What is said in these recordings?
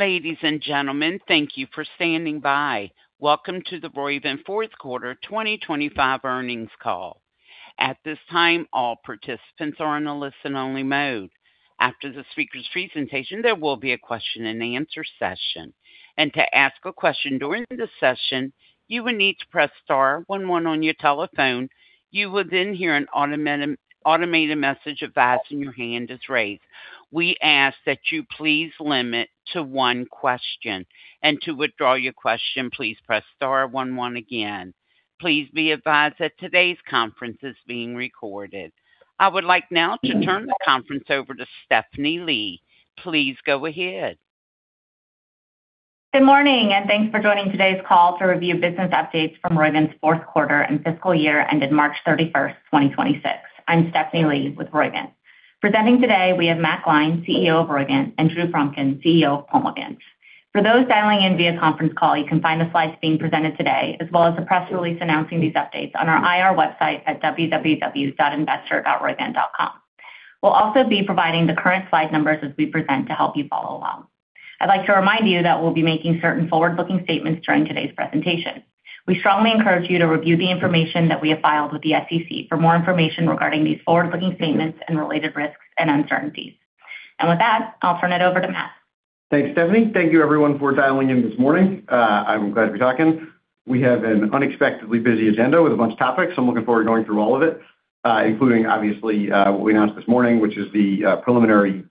Ladies and gentlemen, thank you for standing by. Welcome to the Roivant Fourth Quarter 2025 Earnings Call. I would like now to turn the conference over to Stephanie Lee. Please go ahead. Good morning, and thanks for joining today's call to review business updates from Roivant's fourth quarter and fiscal year ended March 31st, 2026. I'm Stephanie Lee with Roivant. Presenting today, we have Matt Gline, CEO of Roivant, and Drew Fromkin, CEO of Pulmovant. For those dialing in via conference call, you can find the slides being presented today, as well as the press release announcing these updates on our IR website at www.investor.roivant.com. We'll also be providing the current slide numbers as we present to help you follow along. I'd like to remind you that we'll be making certain forward-looking statements during today's presentation. We strongly encourage you to review the information that we have filed with the SEC for more information regarding these forward-looking statements and related risks and uncertainties. With that, I'll turn it over to Matt. Thanks, Stephanie. Thank you everyone for dialing in this morning. I'm glad to be talking. We have an unexpectedly busy agenda with a bunch of topics, so I'm looking forward to going through all of it, including obviously, what we announced this morning, which is the preliminary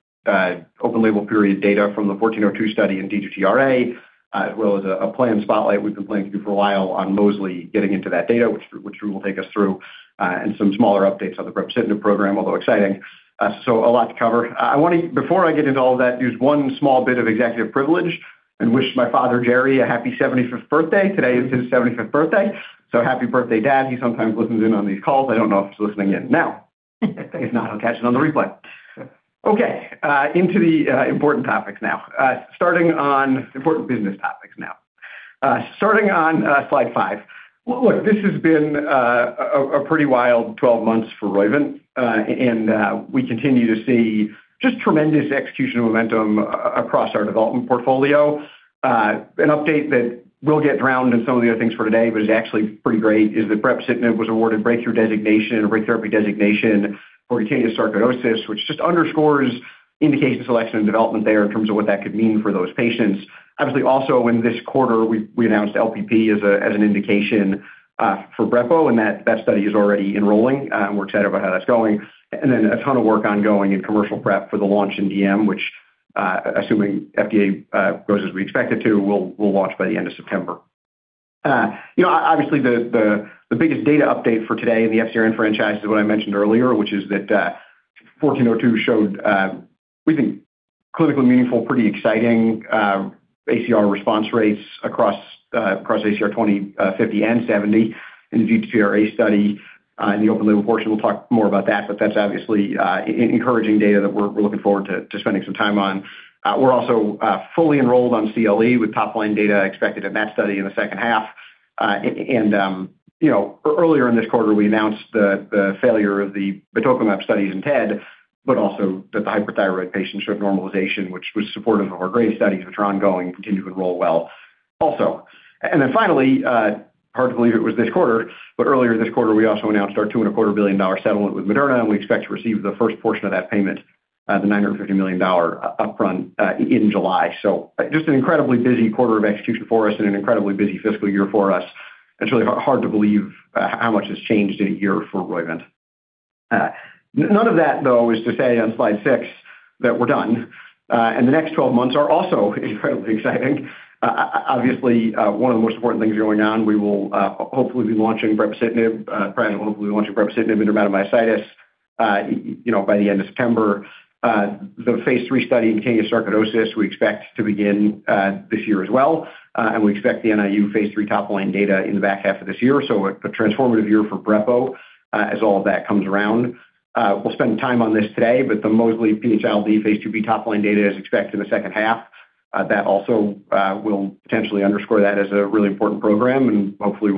open label period data from the IMVT-1402 study in D2T RA, as well as a plan spotlight we've been planning to do for a while on mosliciguat getting into that data, which Drew will take us through, and some smaller updates on the brepocitinib program, although exciting. A lot to cover. Before I get into all that, use one small bit of executive privilege and wish my father, Jerry, a happy 75th birthday. Today is his 75th birthday. Happy birthday, Dad. He sometimes listens in on these calls. I don't know if he's listening in now. If not, he'll catch it on the replay. Okay, into the important topics now. Starting on important business topics now. Starting on slide five. This has been a pretty wild 12 months for Roivant. We continue to see just tremendous execution momentum across our development portfolio. An update that will get drowned in some of the other things for today, but is actually pretty great, is that brepocitinib was awarded breakthrough designation and rare therapy designation for cutaneous sarcoidosis, which just underscores indication selection and development there in terms of what that could mean for those patients. Also in this quarter, we announced LPP as an indication for brepocitinib, and that study is already enrolling. We're excited about how that's going. A ton of work ongoing in commercial prep for the launch in DM, which assuming FDA goes as we expect it to, will launch by the end of September. The biggest data update for today in the FcRn franchise is what I mentioned earlier, which is that IMVT-1402 showed, we think, clinically meaningful, pretty exciting ACR response rates across ACR20, ACR50, and ACR70 in the D2T RA study in the open label portion. We will talk more about that is obviously encouraging data that we are looking forward to spending some time on. We are also fully enrolled on CLE with top line data expected in that study in the second half. Earlier in this quarter, we announced the failure of the batoclimab studies in TED, but also that the hyperthyroid patients showed normalization, which was supportive of our Graves studies, which are ongoing and continue to enroll well also. Finally, hard to believe it was this quarter, but earlier this quarter, we also announced our $2.25 billion settlement with Moderna, and we expect to receive the first portion of that payment, the $950 million upfront, in July. Just an incredibly busy quarter of execution for us and an incredibly busy fiscal year for us. It's really hard to believe how much has changed in a year for Roivant. None of that, though, is to say on slide six that we're done. The next 12 months are also incredibly exciting. Obviously, one of the most important things going on, we will hopefully be launching brepocitinib in dermatomyositis by the end of September. The phase III study in cutaneous sarcoidosis we expect to begin this year as well. We expect the NIU phase III top line data in the back half of this year. A transformative year for brepocitinib as all of that comes around. We'll spend time on this today, but the mosliciguat PH-ILD phase II-B top line data is expected in the second half. That also will potentially underscore that as a really important program and hopefully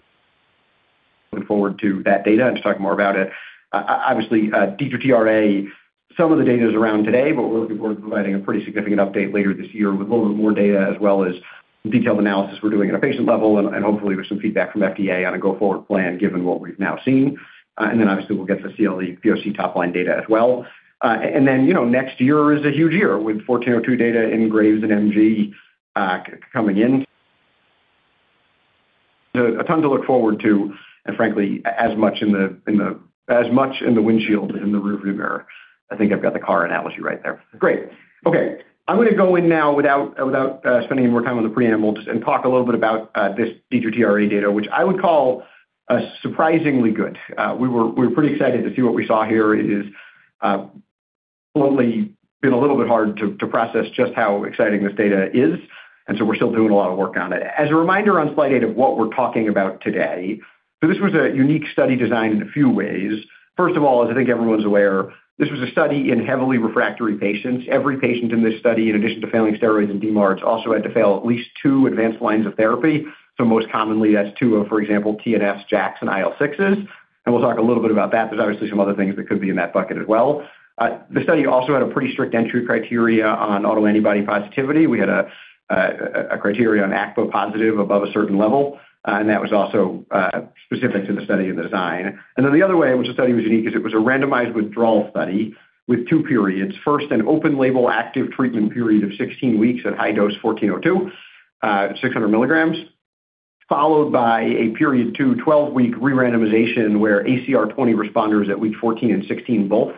look forward to that data and to talk more about it. Obviously, D2T RA, some of the data is around today, but we're looking forward to providing a pretty significant update later this year with a little bit more data as well as some detailed analysis we're doing at a patient level and hopefully with some feedback from FDA on a go-forward plan given what we've now seen. Obviously, we'll get the CLE PoC top line data as well. Next year is a huge year with IMVT-1402 data in Graves and MG coming in. A ton to look forward to, and frankly, as much in the windshield as in the rearview mirror. I think I've got the car analogy right there. Great. Okay. I'm going to go in now without spending any more time on the preamble and talk a little bit about this D2T RA data, which I would call surprisingly good. We were pretty excited to see what we saw here is slowly been a little bit hard to process just how exciting this data is, and so we're still doing a lot of work on it. As a reminder on slide eight of what we're talking about today. This was a unique study design in a few ways. First of all, as I think everyone's aware, this was a study in heavily refractory patients. Every patient in this study, in addition to failing steroids and DMARDs, also had to fail at least two advanced lines of therapy. Most commonly that's two of, for example, TNFs, JAKs, and IL-6s. We'll talk a little bit about that. There's obviously some other things that could be in that bucket as well. The study also had a pretty strict entry criteria on autoantibody positivity. We had a criteria on ACPA+ positive above a certain level, and that was also specific to the study and the design. The other way in which the study was unique is it was a randomized withdrawal study with two periods. First, an open label active treatment period of 16 weeks at high dose IMVT-1402, 600 mg, followed by a Period 2, 12-week re-randomization where ACR20 responders at week 14 and 16 both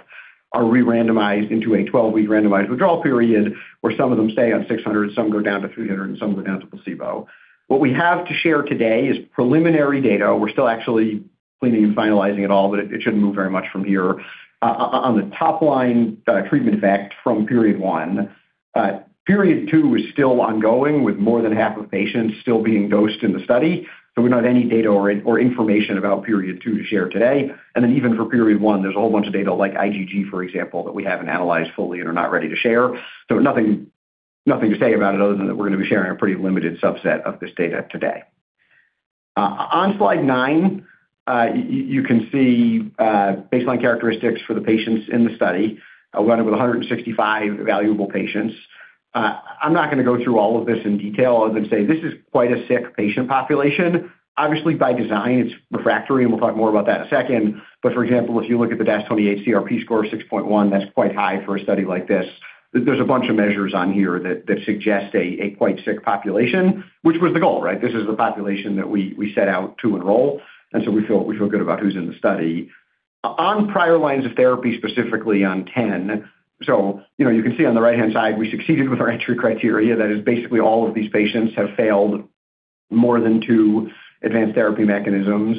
are re-randomized into a 12-week randomized withdrawal period, where some of them stay on 600 mg, some go down to 300 mg, and some go down to placebo. What we have to share today is preliminary data. We're still actually cleaning and finalizing it all, but it shouldn't move very much from here. On the top line treatment effect from Period 1. Period 2 is still ongoing, with more than half of patients still being dosed in the study. We don't have any data or information about Period 2 to share today. Even for Period 1, there's a whole bunch of data like IgG, for example, that we haven't analyzed fully and are not ready to share. Nothing to say about it other than that we're going to be sharing a pretty limited subset of this data today. On slide nine, you can see baseline characteristics for the patients in the study. A run of 165 evaluable patients. I'm not going to go through all of this in detail other than say, this is quite a sick patient population. Obviously, by design, it's refractory, and we'll talk more about that in a second. For example, if you look at the DAS28-CRP score, 6.1, that's quite high for a study like this. There's a bunch of measures on here that suggest a quite sick population, which was the goal, right? This is the population that we set out to enroll, we feel good about who's in the study. On prior lines of therapy, specifically on 10, you can see on the right-hand side, we succeeded with our entry criteria. That is basically all of these patients have failed more than two advanced therapy mechanisms.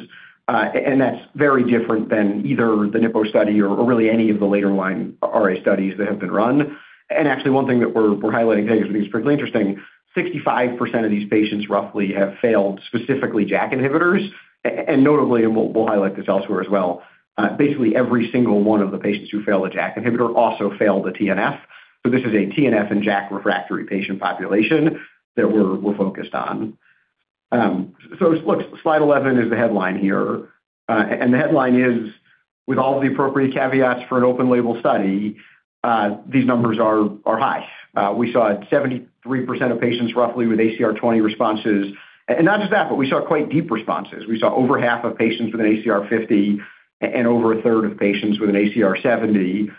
That's very different than either the nipocalimab study or really any of the later line RA studies that have been run. Actually, one thing that we're highlighting today which I think is particularly interesting, 65% of these patients roughly have failed, specifically JAK inhibitors. Notably, we'll highlight this elsewhere as well, basically every single one of the patients who fail a JAK inhibitor also fail the TNF. This is a TNF and JAK refractory patient population that we're focused on. Slide 11 is the headline here. The headline is, with all of the appropriate caveats for an open label study, these numbers are high. We saw 73% of patients roughly with ACR20 responses. Not just that, but we saw quite deep responses. We saw over half of patients with an ACR50 and over 1/3 of patients with an ACR70.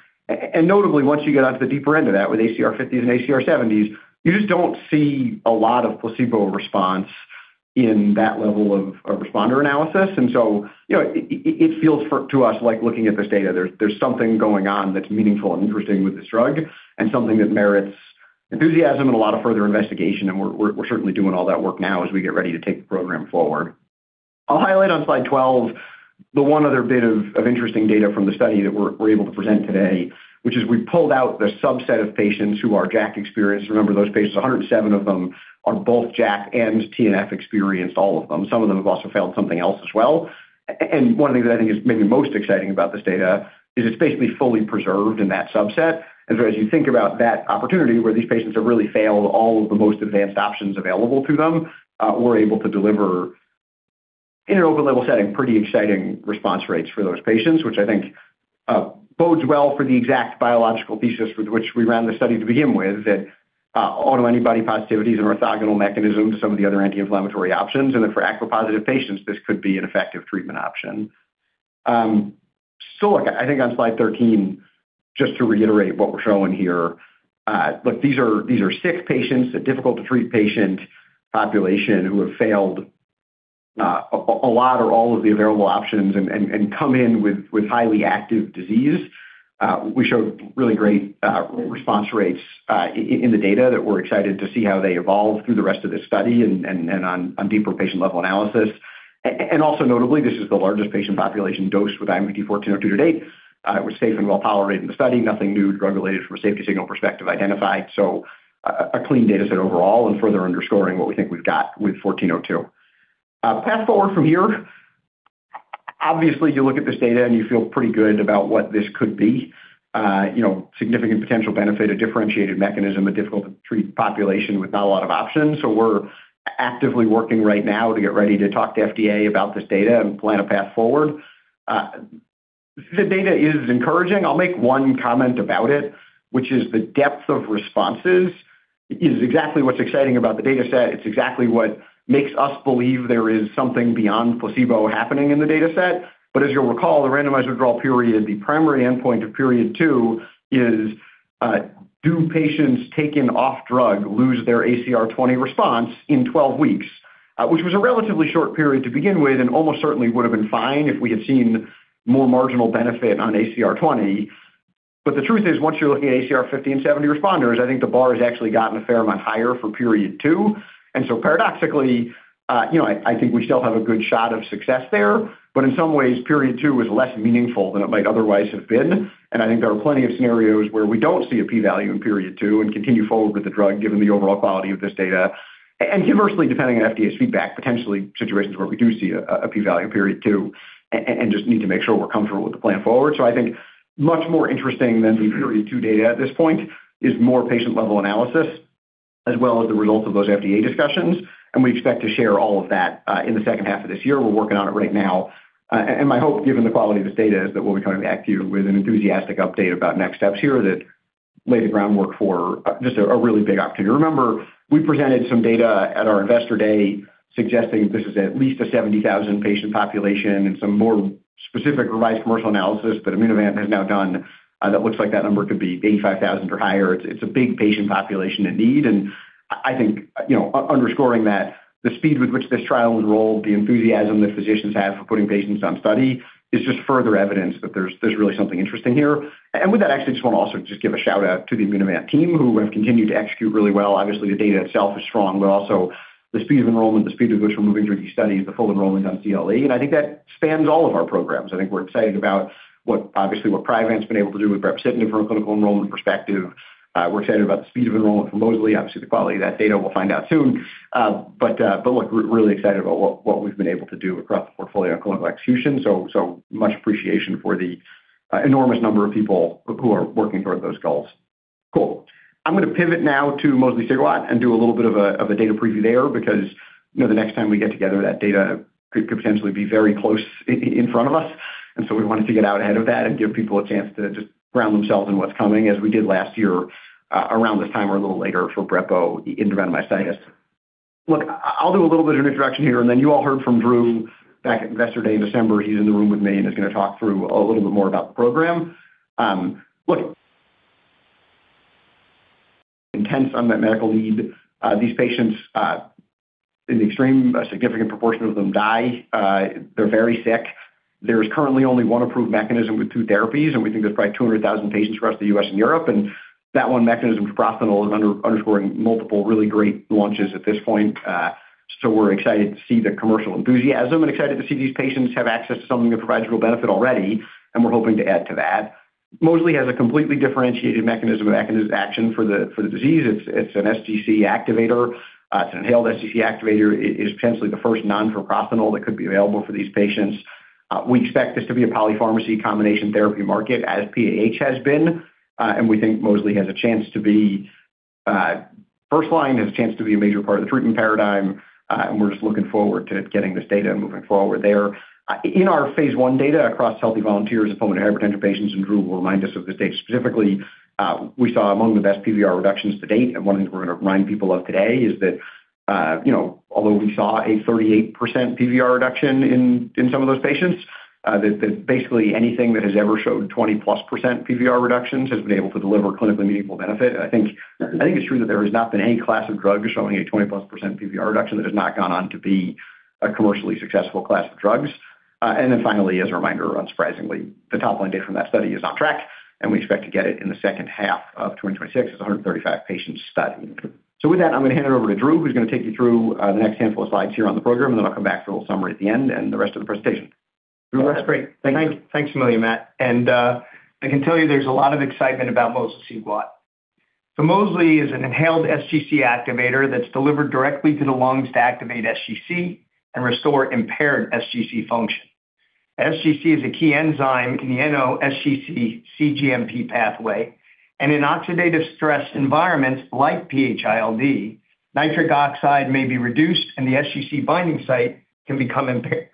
Notably, once you get onto the deeper end of that with ACR50s and ACR70s, you just don't see a lot of placebo response in that level of responder analysis. It feels to us like looking at this data, there's something going on that's meaningful and interesting with this drug and something that merits enthusiasm and a lot of further investigation, and we're certainly doing all that work now as we get ready to take the program forward. I'll highlight on slide 12, the one other bit of interesting data from the study that we're able to present today, which is we pulled out the subset of patients who are JAK experienced. Remember, those patients, 107 of them, are both JAK and TNF experienced, all of them. Some of them have also failed something else as well. One of the things that I think is maybe most exciting about this data is it's basically fully preserved in that subset. As you think about that opportunity where these patients have really failed all of the most advanced options available to them, we're able to deliver in an open label setting, pretty exciting response rates for those patients, which I think bodes well for the exact biological thesis with which we ran the study to begin with, that autoantibody, positivity is an orthogonal mechanism to some of the other anti-inflammatory options, and that for ACPA+ positive patients, this could be an effective treatment option. Look, I think on slide 13, just to reiterate what we're showing here. Look, these are sick patients, a difficult-to-treat patient population who have failed a lot or all of the available options and come in with highly active disease. We showed really great response rates in the data that we're excited to see how they evolve through the rest of this study and on deeper patient-level analysis. Notably, this is the largest patient population dosed with IMVT-1402 to date. It was safe and well-tolerated in the study. Nothing new drug-related from a safety signal perspective identified. A clean data set overall and further underscoring what we think we've got with IMVT-1402. Path forward from here. Obviously, as you look at this data and you feel pretty good about what this could be, significant potential benefit, a differentiated mechanism, a difficult to treat population with not a lot of options. We're actively working right now to get ready to talk to FDA about this data and plan a path forward. The data is encouraging. I'll make one comment about it, which is the depth of responses is exactly what's exciting about the data set. It's exactly what makes us believe there is something beyond placebo happening in the data set. As you'll recall, the randomized withdrawal period, the primary endpoint of Period 2 is, do patients taken off drug lose their ACR20 response in 12 weeks? Which was a relatively short period to begin with and almost certainly would've been fine if we had seen more marginal benefit on ACR20. The truth is, once you're looking at ACR50 and ACR70 responders, I think the bar has actually gotten a fair amount higher for Period 2. Paradoxically, I think we still have a good shot of success there. In some ways, Period 2 is less meaningful than it might otherwise have been. I think there are plenty of scenarios where we don't see a P value in Period 2 and continue forward with the drug given the overall quality of this data. Conversely, depending on FDA's feedback, potentially situations where we do see a P value in Period 2, and just need to make sure we're comfortable with the plan forward. I think much more interesting than the Period 2 data at this point is more patient-level analysis, as well as the results of those FDA discussions. We expect to share all of that in the second half of this year. We're working on it right now. My hope, given the quality of this data, is that we'll be coming back to you with an enthusiastic update about next steps here that lay the groundwork for just a really big opportunity. Remember, we presented some data at our Investor Day suggesting this is at least a 70,000-patient population, and some more specific revised commercial analysis that Immunovant has now done that looks like that number could be 85,000 or higher. It's a big patient population in need, I think underscoring that the speed with which this trial enrolled, the enthusiasm that physicians have for putting patients on study is just further evidence that there's really something interesting here. With that, actually, just want to also just give a shout-out to the Immunovant team who have continued to execute really well. Obviously, the data itself is strong, but also the speed of enrollment, the speed with which we're moving through these studies, the full enrollment on CLE, and I think that spans all of our programs. I think we're excited about obviously what Priovant's been able to do with brepocitinib from a clinical enrollment perspective. We're excited about the speed of enrollment for mosliciguat. The quality of that data we'll find out soon. Look, we're really excited about what we've been able to do across the portfolio on clinical execution. Much appreciation for the enormous number of people who are working toward those goals. Cool. I'm going to pivot now to mosliciguat and do a little bit of a data preview there because the next time we get together, that data could potentially be very close in front of us. We wanted to get out ahead of that and give people a chance to just ground themselves in what's coming, as we did last year around this time or a little later for brepocitinib in dermatomyositis. Look, I'll do a little bit of an introduction here, then you all heard from Drew back at Investor Day in December. He's in the room with me and is going to talk through a little bit more about the program. Look, intense unmet medical need. These patients, in extreme, a significant proportion of them die. They're very sick. There's currently only one approved mechanism with two therapies, we think there's probably 200,000 patients across the U.S. and Europe. That one mechanism for treprostinil is underscoring multiple really great launches at this point. We're excited to see the commercial enthusiasm and excited to see these patients have access to something that provides real benefit already, and we're hoping to add to that. Mosliciguat has a completely differentiated mechanism of action for the disease. It's an sGC activator. It's an inhaled sGC activator. It is potentially the first non-treprostinil that could be available for these patients. We expect this to be a polypharmacy combination therapy market as PAH has been. We think mosliciguat has a chance to be first line, has a chance to be a major part of the treatment paradigm, and we're just looking forward to getting this data and moving forward there. In our phase I data across healthy volunteers and pulmonary hypertension patients, and Drew will remind us of this data specifically, we saw among the best PVR reductions to date. One of the things we're going to remind people of today is that although we saw a 38% PVR reduction in some of those patients, that basically anything that has ever shown 20%+ PVR reductions has been able to deliver clinically meaningful benefit. I think it's true that there has not been any class of drug showing a 20%+ PVR reduction that has not gone on to be a commercially successful class of drugs. Finally, as a reminder, unsurprisingly, the top-line data from that study is on track, and we expect to get it in the second half of 2026. It's a 135-patient study. With that, I'm going to hand it over to Drew, who's going to take you through the next handful of slides here on the program, and then I'll come back for a little summary at the end and the rest of the presentation. Drew, go ahead. That's great. Thank you. Thanks a million, Matt. I can tell you there's a lot of excitement about mosliciguat. Mosliciguat is an inhaled sGC activator that's delivered directly to the lungs to activate sGC and restore impaired sGC function. sGC is a key enzyme in the NO-sGC-cGMP pathway, in oxidative stress environments like PH-ILD, nitric oxide may be reduced and the sGC binding site can become impaired,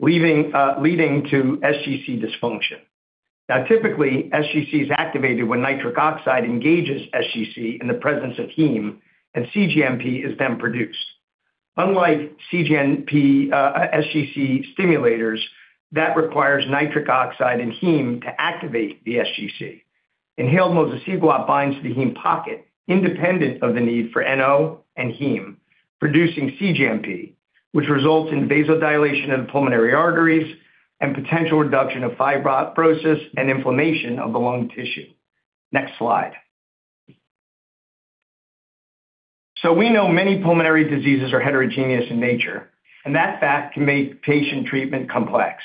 leading to sGC dysfunction. Typically, sGC is activated when nitric oxide engages sGC in the presence of heme, cGMP is then produced. Unlike cGMP, sGC stimulators that requires nitric oxide and heme to activate the sGC, inhaled mosliciguat binds to the heme pocket independent of the need for NO and heme, producing cGMP, which results in vasodilation of the pulmonary arteries and potential reduction of fibrosis and inflammation of the lung tissue. Next slide. We know many pulmonary diseases are heterogeneous in nature, and that fact can make patient treatment complex.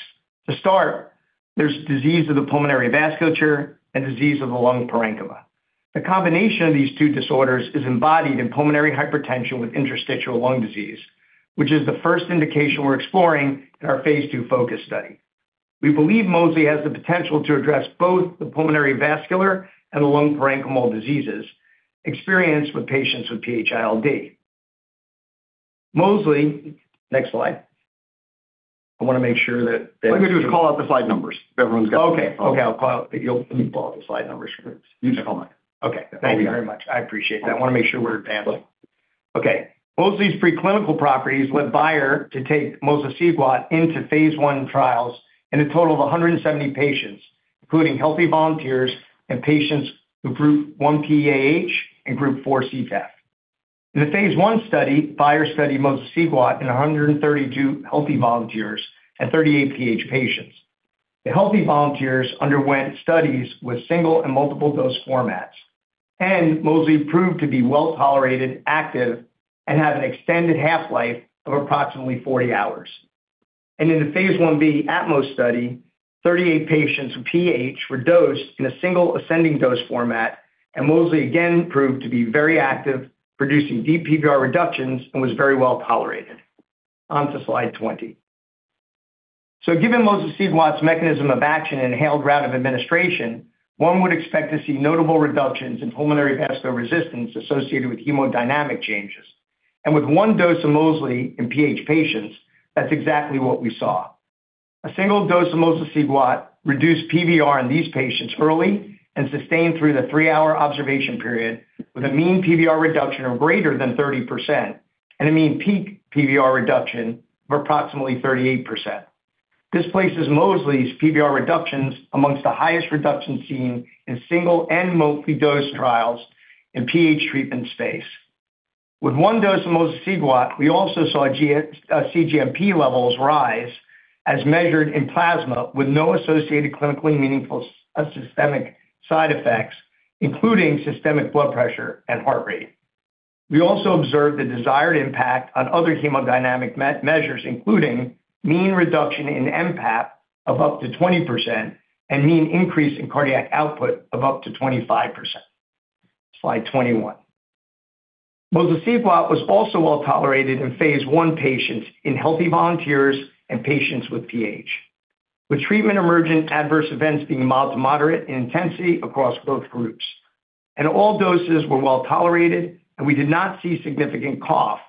To start, there's disease of the pulmonary vasculature and disease of the lung parenchyma. The combination of these two disorders is embodied in pulmonary hypertension with interstitial lung disease, which is the first indication we're exploring in our phase II PHocus study. We believe mosliciguat has the potential to address both the pulmonary vascular and the lung parenchymal diseases experienced with patients with PH-ILD. Next slide. What I'm going to do is call out the slide numbers. Okay. I'll call out. You call out the slide numbers for me. You can call them out. Okay. Thank you. Thank you very much. I appreciate that. I want to make sure we're handling Okay. mosliciguat's preclinical properties led Bayer to take mosliciguat into phase I trials in a total of 170 patients, including healthy volunteers and patients with Group 1 PAH and Group 4 CTEPH. In the phase I study, Bayer studied mosliciguat in 132 healthy volunteers and 38 PH patients. The healthy volunteers underwent studies with single and multiple dose formats, mosliciguat proved to be well-tolerated, active, and has an extended half-life of approximately 40 hours. In the phase I-B ATMOS study, 38 patients with PH were dosed in a single ascending dose format, and mosliciguat again proved to be very active, producing deep PVR reductions, and was very well-tolerated. On to slide 20. Given mosliciguat's mechanism of action and inhaled route of administration, one would expect to see notable reductions in pulmonary vascular resistance associated with hemodynamic changes. With 1 mg dose of mosliciguat in PH patients, that's exactly what we saw. A single dose of mosliciguat reduced PVR in these patients early and sustained through the three-hour observation period, with a mean PVR reduction of greater than 30% and a mean peak PVR reduction of approximately 38%. This places mosliciguat's PVR reductions amongst the highest reductions seen in single and multi-dose trials in PH treatment space. With 1 mg dose of mosliciguat, we also saw cGMP levels rise as measured in plasma with no associated clinically meaningful systemic side effects, including systemic blood pressure and heart rate. We also observed the desired impact on other hemodynamic measures, including mean reduction in mPAP of up to 20% and mean increase in cardiac output of up to 25%. Slide 21. Mosliciguat was also well-tolerated in phase I patients, in healthy volunteers, and patients with PH, with treatment-emergent adverse events being mild to moderate in intensity across both groups. All doses were well-tolerated, and we did not see significant cough,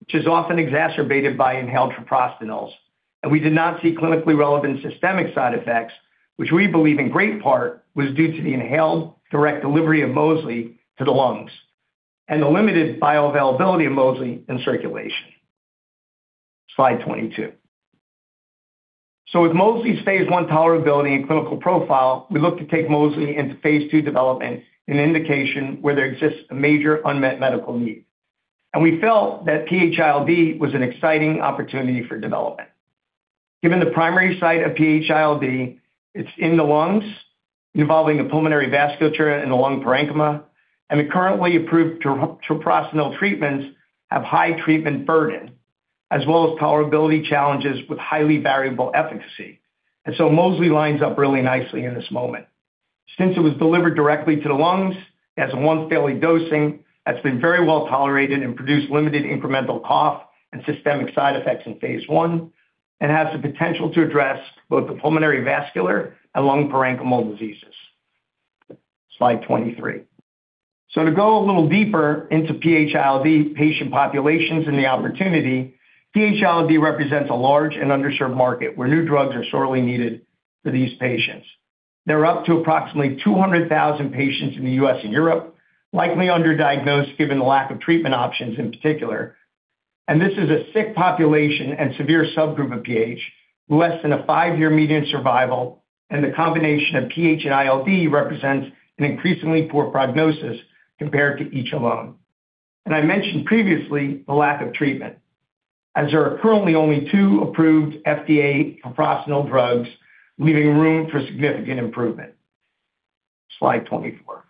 which is often exacerbated by inhaled treprostinil. We did not see clinically relevant systemic side effects, which we believe in great part was due to the inhaled direct delivery of mosliciguat to the lungs and the limited bioavailability of mosliciguat in circulation. Slide 22. With mosliciguat's phase I tolerability and clinical profile, we look to take mosliciguat into phase II development in an indication where there exists a major unmet medical need. We felt that PH-ILD was an exciting opportunity for development. Given the primary site of PH-ILD, it's in the lungs, involving the pulmonary vasculature and the lung parenchyma, and the currently approved treprostinil treatments have high treatment burden as well as tolerability challenges with highly variable efficacy. Mosliciguat lines up really nicely in this moment. Since it was delivered directly to the lungs as a once-daily dosing, that's been very well-tolerated and produced limited incremental cough and systemic side effects in phase I, and has the potential to address both the pulmonary vascular and lung parenchymal diseases. Slide 23. To go a little deeper into PH-ILD patient populations and the opportunity, PH-ILD represents a large and underserved market where new drugs are sorely needed for these patients. There are up to approximately 200,000 patients in the U.S. and Europe, likely underdiagnosed given the lack of treatment options in particular. This is a sick population and severe subgroup of PH, less than a five-year median survival, and the combination of PH and ILD represents an increasingly poor prognosis compared to each alone. I mentioned previously the lack of treatment, as there are currently only two approved FDA treprostinil drugs, leaving room for significant improvement. Slide 24.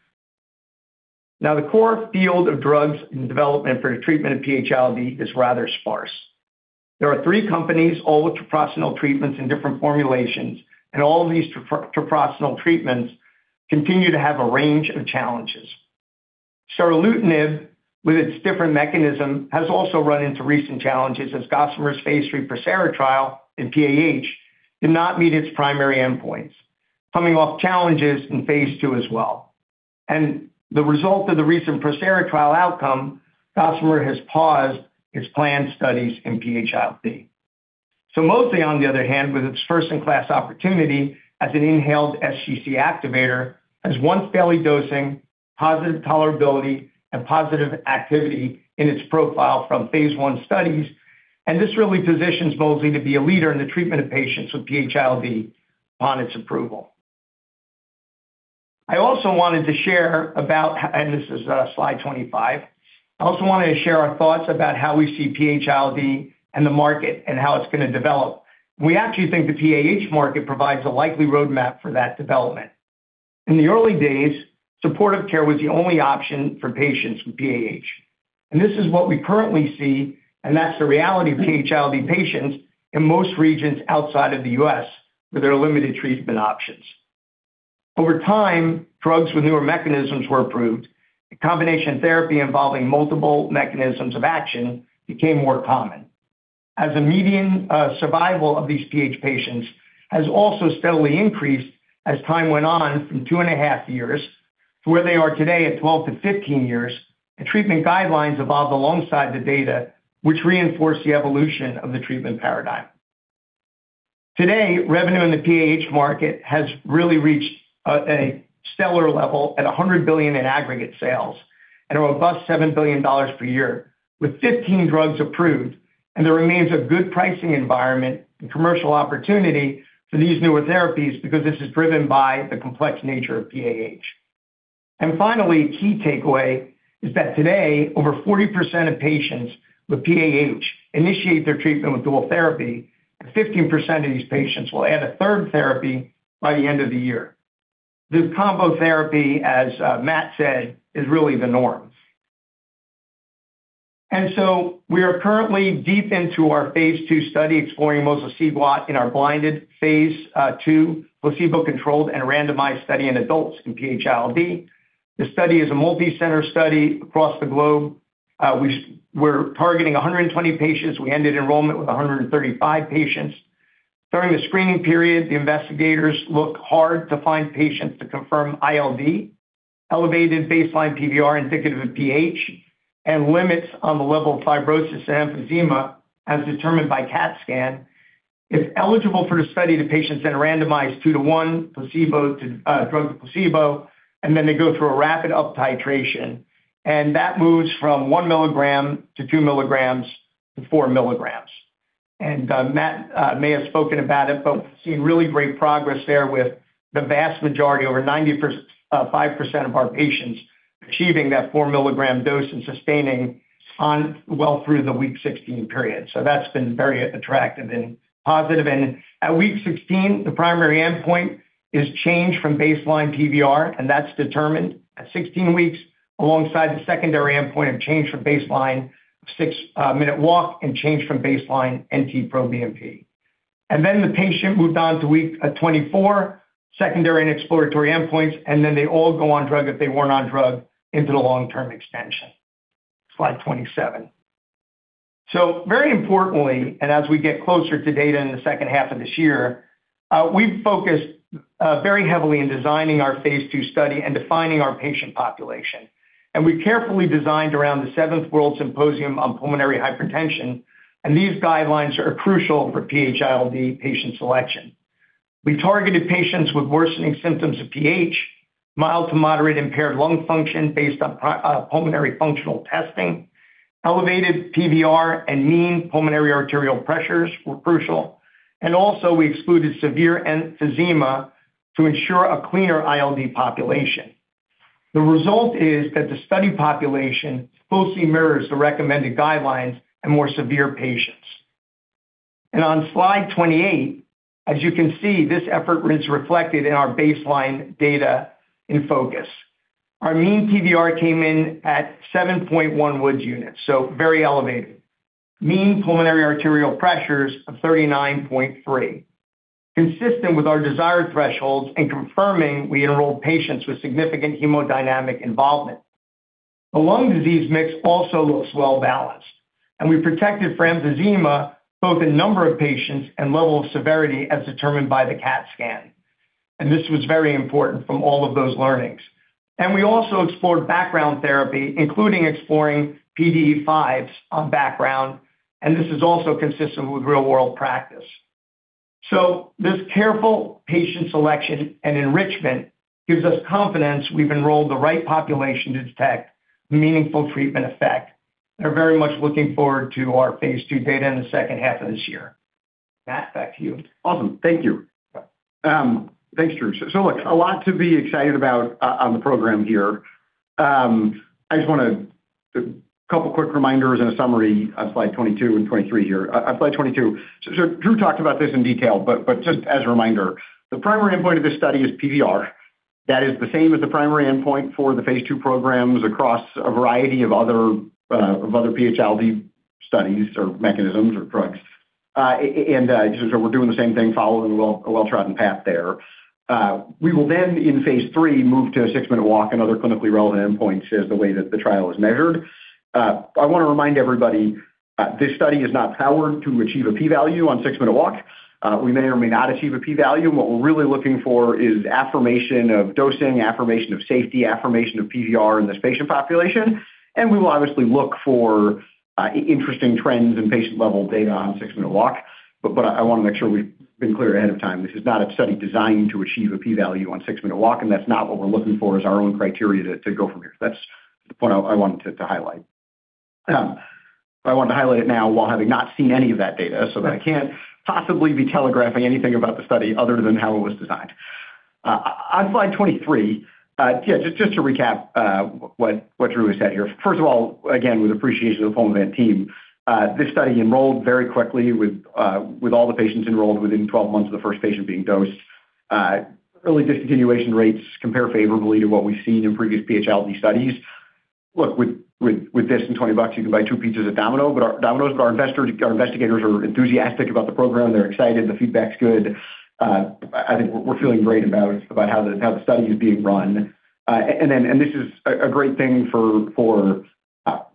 Now the core field of drugs in development for the treatment of PH-ILD is rather sparse. There are three companies, all with treprostinil treatments in different formulations, and all of these treprostinil treatments continue to have a range of challenges. Seralutinib, with its different mechanism, has also run into recent challenges as Gossamer's phase III PROSERA trial in PAH did not meet its primary endpoints, coming off challenges in Phase II as well. The result of the recent PROSERA trial outcome, Gossamer has paused its planned studies in PH-ILD. Mosliciguat, on the other hand, with its first-in-class opportunity as an inhaled sGC activator, has once-daily dosing, positive tolerability, and positive activity in its profile from phase I studies. This really positions mosliciguat to be a leader in the treatment of patients with PH-ILD upon its approval. This is slide 25. I also wanted to share our thoughts about how we see PH-ILD and the market and how it's going to develop. We actually think the PAH market provides a likely roadmap for that development. In the early days, supportive care was the only option for patients with PAH. This is what we currently see, and that's the reality of PH-ILD patients in most regions outside of the U.S., where there are limited treatment options. Over time, drugs with newer mechanisms were approved, and combination therapy involving multiple mechanisms of action became more common. As the median survival of these PH patients has also steadily increased as time went on from 2.5 years to where they are today at 12-15 years, the treatment guidelines evolved alongside the data, which reinforced the evolution of the treatment paradigm. Today, revenue in the PAH market has really reached a stellar level at $100 billion in aggregate sales and a robust $7 billion per year, with 15 drugs approved, there remains a good pricing environment and commercial opportunity for these newer therapies because this is driven by the complex nature of PAH. Finally, a key takeaway is that today, over 40% of patients with PAH initiate their treatment with dual therapy, and 15% of these patients will add a third therapy by the end of the year. This combo therapy, as Matt said, is really the norm. We are currently deep into our phase II study exploring mosliciguat in our blinded phase II placebo-controlled and randomized study in adults with PH-ILD. The study is a multi-center study across the globe. We're targeting 120 patients. We ended enrollment with 135 patients. During the screening period, the investigators look hard to find patients to confirm ILD, elevated baseline PVR indicative of PH, and limits on the level of fibrosis and emphysema as determined by CAT scan. If eligible for the study, the patients then randomized 2:1, drug to placebo, and then they go through a rapid uptitration, and that moves from 1 mg to 2 mg to 4 mg. Matt may have spoken about it, but we've seen really great progress there with the vast majority, over 95% of our patients achieving that 4 mg dose and sustaining well through the week 16 period. That's been very attractive and positive. At week 16, the primary endpoint is change from baseline PVR, and that's determined at 16 weeks alongside the secondary endpoint of change from baseline six-minute walk and change from baseline NT-proBNP. The patient moved on to week 24, secondary and exploratory endpoints, then they all go on drug if they weren't on drug into the long-term expansion. Slide 27. Very importantly, as we get closer to data in the second half of this year, we've focused very heavily in designing our phase II study and defining our patient population. We carefully designed around the Seventh World Symposium on Pulmonary Hypertension, these guidelines are crucial for PH-ILD patient selection. We targeted patients with worsening symptoms of PH, mild to moderate impaired lung function based on pulmonary functional testing, elevated PVR and mean pulmonary arterial pressures were crucial, we excluded severe emphysema to ensure a cleaner ILD population. The result is that the study population closely mirrors the recommended guidelines in more severe patients. On slide 28, as you can see, this effort is reflected in our baseline data in focus. Our mean PVR came in at 7.1 Wood units, so very elevated. Mean pulmonary arterial pressures of 39.3, consistent with our desired thresholds and confirming we enrolled patients with significant hemodynamic involvement. The lung disease mix also looks well-balanced, and we protected for emphysema both in number of patients and level of severity as determined by the CAT scan. This was very important from all of those learnings. We also explored background therapy, including exploring PDE5s on background, and this is also consistent with real-world practice. This careful patient selection and enrichment gives us confidence we've enrolled the right population to detect meaningful treatment effect and are very much looking forward to our phase II data in the second half of this year. Matt, back to you. Awesome. Thank you. Yeah. Thanks, Drew. Look, a lot to be excited about on the program here. Just a couple quick reminders and a summary on slide 22 and 23 here. On slide 22, Drew talked about this in detail, but just as a reminder, the primary endpoint of this study is PVR. That is the same as the primary endpoint for the phase II programs across a variety of other PH-ILD studies or mechanisms or drugs. Just so we're doing the same thing following a well-trodden path there. We will then, in phase III, move to a six-minute walk and other clinically relevant endpoints as the way that the trial is measured. I want to remind everybody, this study is not powered to achieve a P value on six-minute walk. We may or may not achieve a P value, and what we're really looking for is affirmation of dosing, affirmation of safety, affirmation of PVR in this patient population, and we will obviously look for interesting trends in patient-level data on six-minute walk. I want to make sure we've been clear ahead of time. This is not a study designed to achieve a P value on six-minute walk, and that's not what we're looking for as our own criteria to go from here. That's the point I wanted to highlight. I wanted to highlight it now while having not seen any of that data, so that I can't possibly be telegraphing anything about the study other than how it was designed. On slide 23, just to recap what Drew has said here. First of all, again, with appreciation to the Pulmovant team, this study enrolled very quickly with all the patients enrolled within 12 months of the first patient being dosed. Early discontinuation rates compare favorably to what we've seen in previous PH-ILD studies. With this and $20, you can buy two pizzas at Domino's, our investigators are enthusiastic about the program. They're excited. The feedback's good. I think we're feeling great about how the study is being run. This is a great thing for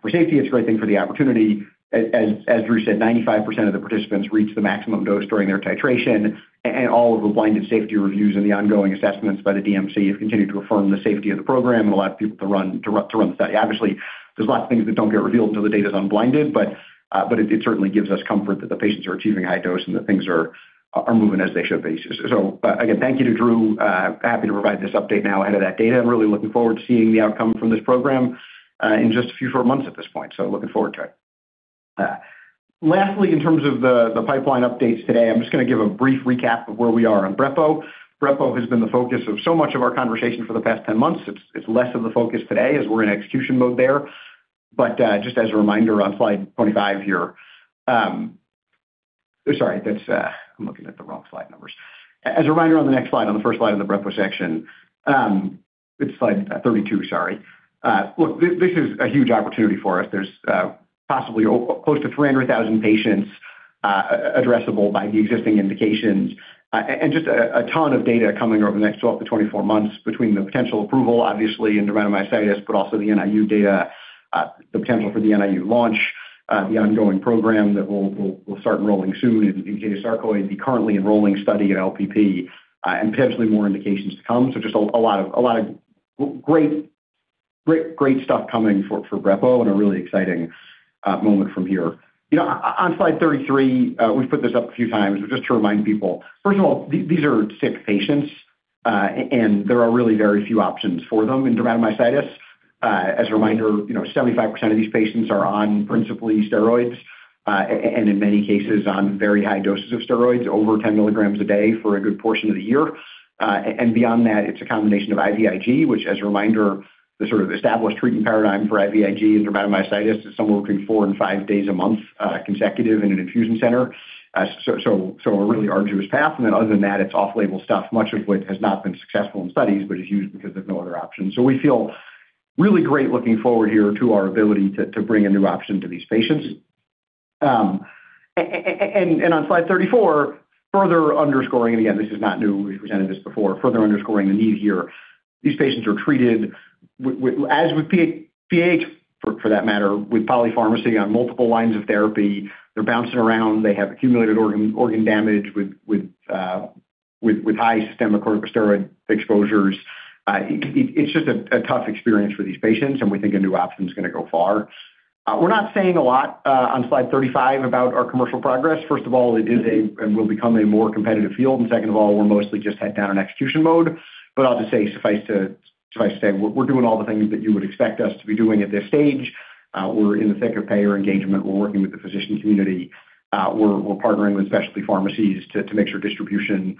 safety. It's a great thing for the opportunity. As Drew said, 95% of the participants reached the maximum dose during their titration, all of the blinded safety reviews and the ongoing assessments by the DMC have continued to affirm the safety of the program and allowed people to run the study. There's lots of things that don't get revealed until the data's unblinded, but it certainly gives us comfort that the patients are achieving high dose and that things are moving as they should be. Again, thank you to Drew. Happy to provide this update now ahead of that data. I'm really looking forward to seeing the outcome from this program in just a few short months at this point. Looking forward to it. Lastly, in terms of the pipeline updates today, I'm just going to give a brief recap of where we are on brepocitinib. brepocitinib has been the focus of so much of our conversation for the past 10 months. It's less of the focus today as we're in execution mode there. Just as a reminder on slide 25 here. Sorry, I'm looking at the wrong slide numbers. As a reminder on the next slide, on the first slide of the brepocitinib section, it's slide 32, sorry. This is a huge opportunity for us. There's possibly close to 300,000 patients addressable by the existing indications and just a ton of data coming over the next 12-24 months between the potential approval, obviously, in dermatomyositis, but also the NIU data, the potential for the NIU launch, the ongoing program that we'll start enrolling soon in cutaneous sarcoidosis, the currently enrolling study at LPP, and potentially more indications to come. Just a lot of great stuff coming for brepocitinib and a really exciting moment from here. On slide 33, we've put this up a few times just to remind people. First of all, these are sick patients, and there are really very few options for them in dermatomyositis. As a reminder, 75% of these patients are on principally steroids, and in many cases, on very high doses of steroids, over 10 mg a day for a good portion of the year. Beyond that, it's a combination of IVIG, which, as a reminder, the sort of established treatment paradigm for IVIG in dermatomyositis is somewhere between four and five days a month consecutive in an infusion center. A really arduous path. Other than that, it's off-label stuff, much of which has not been successful in studies, but is used because there's no other option. We feel really great looking forward here to our ability to bring a new option to these patients. On slide 34, further underscoring, and again, this is not new, we've presented this before, further underscoring the need here. These patients are treated as with PAH, for that matter, with polypharmacy on multiple lines of therapy. They're bouncing around. They have accumulated organ damage with high systemic corticosteroid exposures. It's just a tough experience for these patients, and we think a new option is going to go far. We're not saying a lot on slide 35 about our commercial progress. First of all, it is a, and will become, a more competitive field, and second of all, we're mostly just head down in execution mode. I'll just say, suffice to say, we're doing all the things that you would expect us to be doing at this stage. We're in the thick of payer engagement. We're working with the physician community. We're partnering with specialty pharmacies to make sure distribution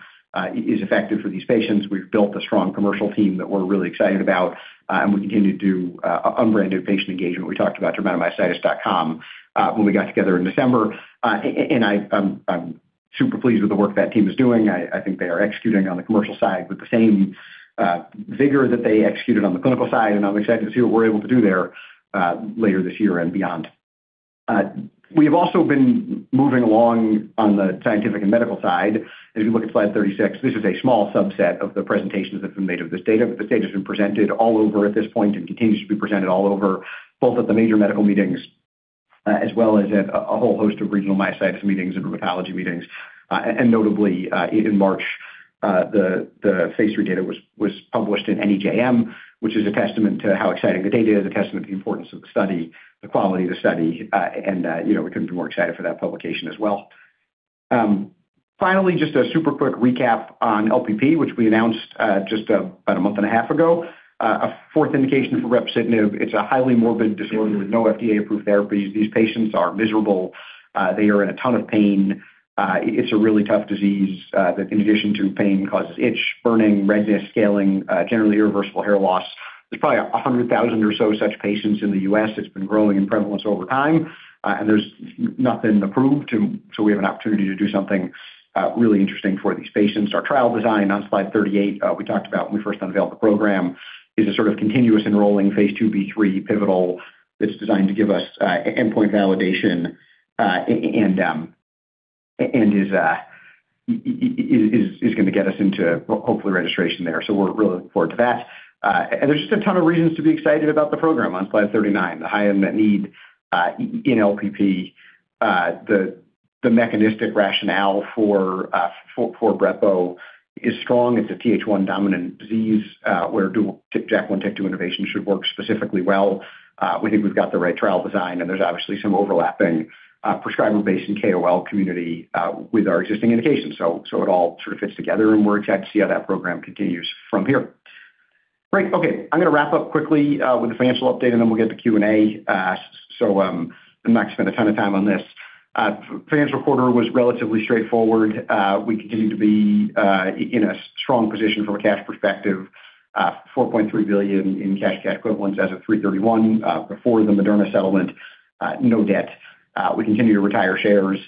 is effective for these patients. We've built a strong commercial team that we're really excited about, and we continue to do unbranded patient engagement. We talked about dermatomyositis.com when we got together in December. I'm super pleased with the work that team is doing. I think they are executing on the commercial side with the same vigor that they executed on the clinical side. I'm excited to see what we're able to do there later this year and beyond. We have also been moving along on the scientific and medical side. If you look at slide 36, this is a small subset of the presentations that have been made of this data, but the data's been presented all over at this point and continues to be presented all over, both at the major medical meetings as well as at a whole host of regional myositis meetings and rheumatology meetings. Notably in March the phase III data was published in NEJM, which is a testament to how exciting the data is, a testament to the importance of the study, the quality of the study, and we couldn't be more excited for that publication as well. Finally, just a super quick recap on LPP, which we announced just about a month and a half ago. A fourth indication for brepocitinib. It's a highly morbid disorder with no FDA-approved therapies. These patients are miserable. They are in a ton of pain. It's a really tough disease that, in addition to pain, causes itch, burning, redness, scaling, generally irreversible hair loss. There's probably 100,000 or so such patients in the U.S. It's been growing in prevalence over time, and there's nothing approved, so we have an opportunity to do something really interesting for these patients. Our trial design on slide 38, we talked about when we first unveiled the program, is a sort of continuous enrolling phase II-B/III pivotal that's designed to give us endpoint validation and is going to get us into, hopefully, registration there. We're really looking forward to that. There's just a ton of reasons to be excited about the program on slide 39. The high unmet need in LPP. The mechanistic rationale for brepocitinib is strong. It's a Th1-dominant disease where dual JAK1/TYK2 inhibition should work specifically well. We think we've got the right trial design, and there's obviously some overlapping prescriber base and KOL community with our existing indications. It all sort of fits together, and we're excited to see how that program continues from here. Great. Okay, I'm going to wrap up quickly with the financial update, and then we'll get to Q&A. I'm not going to spend a ton of time on this. Financial quarter was relatively straightforward. We continue to be in a strong position from a cash perspective. $4.3 billion in cash equivalents as of March 31 before the Moderna settlement. No debt. We continue to retire shares.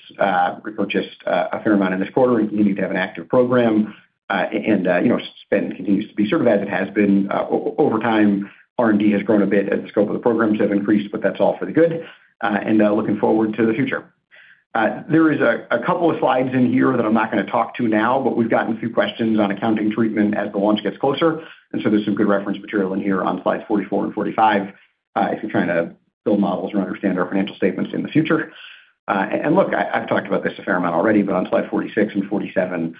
We got just a fair amount in this quarter. We continue to have an active program. Spend continues to be sort of as it has been. Over time, R&D has grown a bit as the scope of the programs have increased, but that's all for the good, and looking forward to the future. There is a couple of slides in here that I'm not going to talk to now, but we've gotten a few questions on accounting treatment as the launch gets closer. There's some good reference material in here on slides 44 and 45 if you're trying to build models or understand our financial statements in the future. Look, I've talked about this a fair amount already. On slide 46 and 47,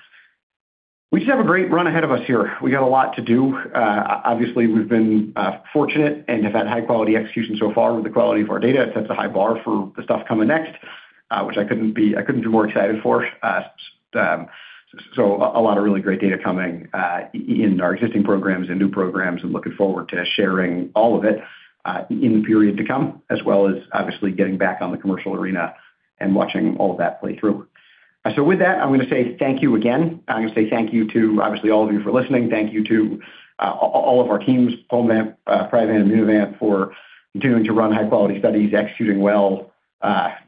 we just have a great run ahead of us here. We got a lot to do. Obviously, we've been fortunate and have had high-quality execution so far with the quality of our data. It sets a high bar for the stuff coming next, which I couldn't be more excited for. A lot of really great data coming in our existing programs and new programs and looking forward to sharing all of it in the period to come, as well as obviously getting back on the commercial arena and watching all of that play through. With that, I'm going to say thank you again. I'm going to say thank you to, obviously, all of you for listening. Thank you to all of our teams, Pulmovant, Priovant, Immunovant for continuing to run high-quality studies, executing well,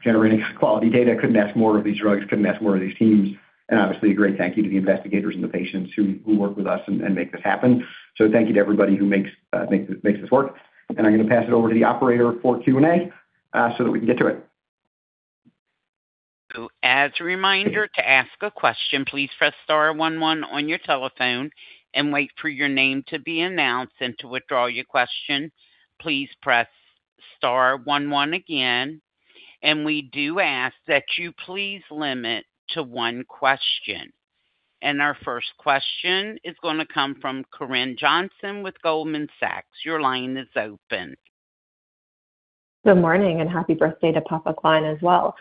generating quality data. Couldn't ask more of these drugs, couldn't ask more of these teams, and obviously a great thank you to the investigators and the patients who work with us and make this happen. Thank you to everybody who makes this work. I'm going to pass it over to the operator for Q&A so that we can get to it. As a reminder, to ask a question, please press star one one on your telephone and wait for your name to be announced and to withdraw your question, please press star one one again. We do ask that you please limit to one question. Our first question is going to come from Corinne Johnson with Goldman Sachs. Your line is open. Good morning, and happy birthday to Papa Gline as well.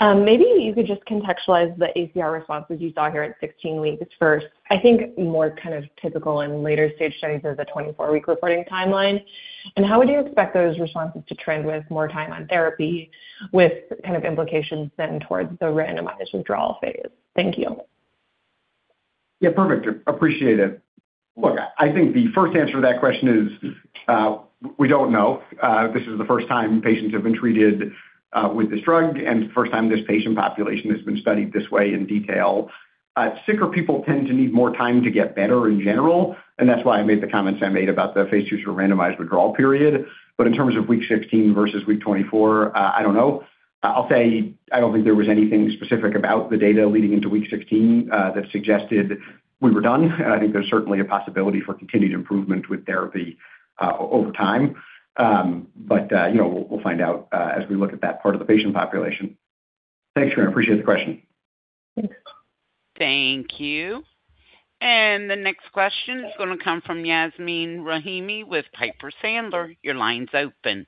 Maybe you could just contextualize the ACR responses you saw here at 16 weeks first. I think more kind of typical in later-stage studies, there's a 24-week reporting timeline. How would you expect those responses to trend with more time on therapy with kind of implications then towards the randomized withdrawal phase? Thank you. Yeah, perfect. Appreciate it. Look, I think the first answer to that question is we don't know. This is the first time patients have been treated with this drug and the first time this patient population has been studied this way in detail. Sicker people tend to need more time to get better in general, and that's why I made the comments I made about the phase II sort of randomized withdrawal period. But in terms of week 16 versus week 24, I don't know. I'll say I don't think there was anything specific about the data leading into week 16 that suggested we were done, and I think there's certainly a possibility for continued improvement with therapy over time. But we'll find out as we look at that part of the patient population. Thanks, Corinne, appreciate the question. Thanks. Thank you. The next question is going to come from Yasmeen Rahimi with Piper Sandler. Your line's open.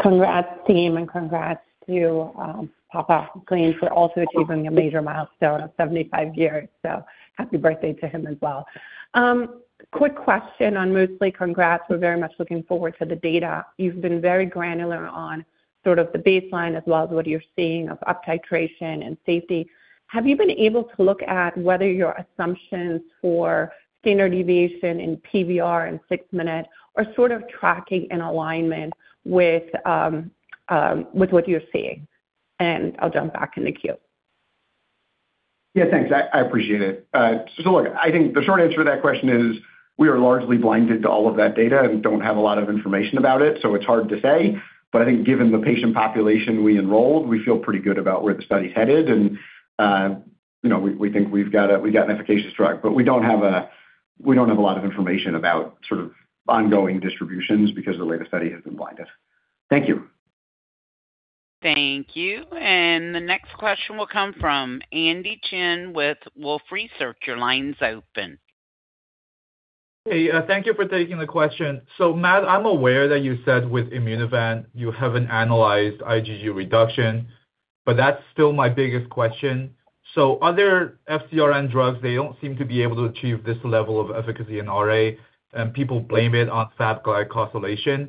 Congrats team, congrats to Papa Gline for also achieving a major milestone of 75 years. Happy birthday to him as well. Quick question on mosliciguat. Congrats, we're very much looking forward to the data. You've been very granular on sort of the baseline as well as what you're seeing of uptitration and safety. Have you been able to look at whether your assumptions for standard deviation in PVR and six-minute are sort of tracking in alignment with what you're seeing? I'll jump back in the queue. Yeah, thanks. I appreciate it. Look, I think the short answer to that question is we are largely blinded to all of that data and don't have a lot of information about it, so it's hard to say. I think given the patient population we enrolled, we feel pretty good about where the study's headed and we think we've got an efficacious drug. We don't have a lot of information about sort of ongoing distributions because the way the study has been blinded. Thank you. Thank you. The next question will come from Andy Chen with Wolfe Research. Your line's open. Hey, thank you for taking the question. Matt, I'm aware that you said with Immunovant, you haven't analyzed IgG reduction, but that's still my biggest question. Other FcRn drugs, they don't seem to be able to achieve this level of efficacy in RA, and people blame it on Fab glycosylation.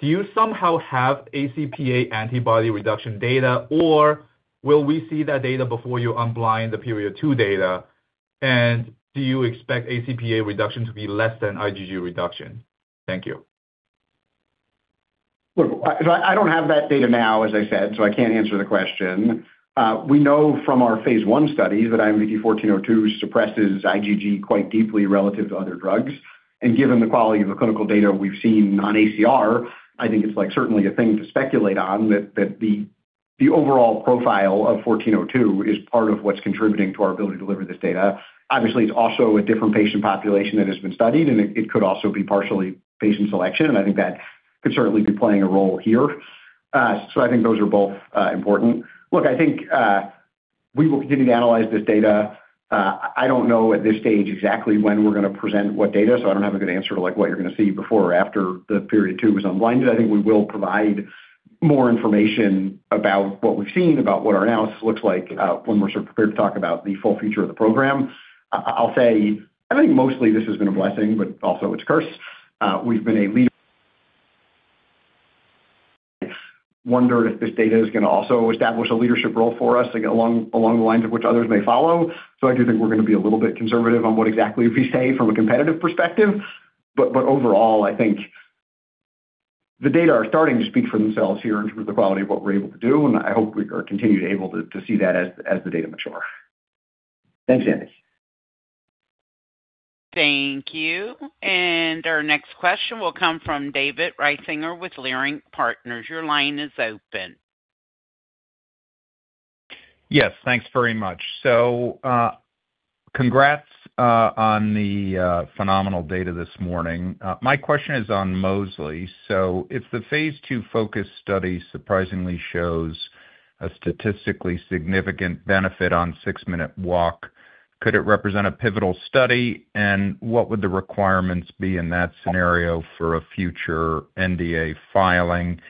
Do you somehow have ACPA+ antibody reduction data, or will we see that data before you unblind the Period 2 data? Do you expect ACPA+ reduction to be less than IgG reduction? Thank you. Look, I don't have that data now, as I said, so I can't answer the question. We know from our phase I studies that IMVT-1402 suppresses IgG quite deeply relative to other drugs. Given the quality of the clinical data we've seen on ACR, I think it's certainly a thing to speculate on that the overall profile of IMVT-1402 is part of what's contributing to our ability to deliver this data. Obviously, it's also a different patient population that has been studied, and it could also be partially patient selection, and I think that could certainly be playing a role here. I think those are both important. Look, I think we will continue to analyze this data. I don't know at this stage exactly when we're going to present what data. I don't have a good answer to what you're going to see before or after the phase II is unblinded. I think we will provide more information about what we've seen, about what our analysis looks like when we're sort of prepared to talk about the full future of the program. I'll say I think mostly this has been a blessing, but also its curse. We've been a leader wonder if this data is going to also establish a leadership role for us along the lines of which others may follow. I do think we're going to be a little bit conservative on what exactly we say from a competitive perspective. Overall, I think the data are starting to speak for themselves here in terms of the quality of what we're able to do, and I hope we are continued able to see that as the data mature. Thanks, Andy. Thank you. Our next question will come from David Risinger with Leerink Partners. Your line is open. Yes, thanks very much. Congrats on the phenomenal data this morning. My question is on mosliciguat. If the phase II PHocus study surprisingly shows a statistically significant benefit on six-minute walk, could it represent a pivotal study? What would the requirements be in that scenario for a future NDA filing?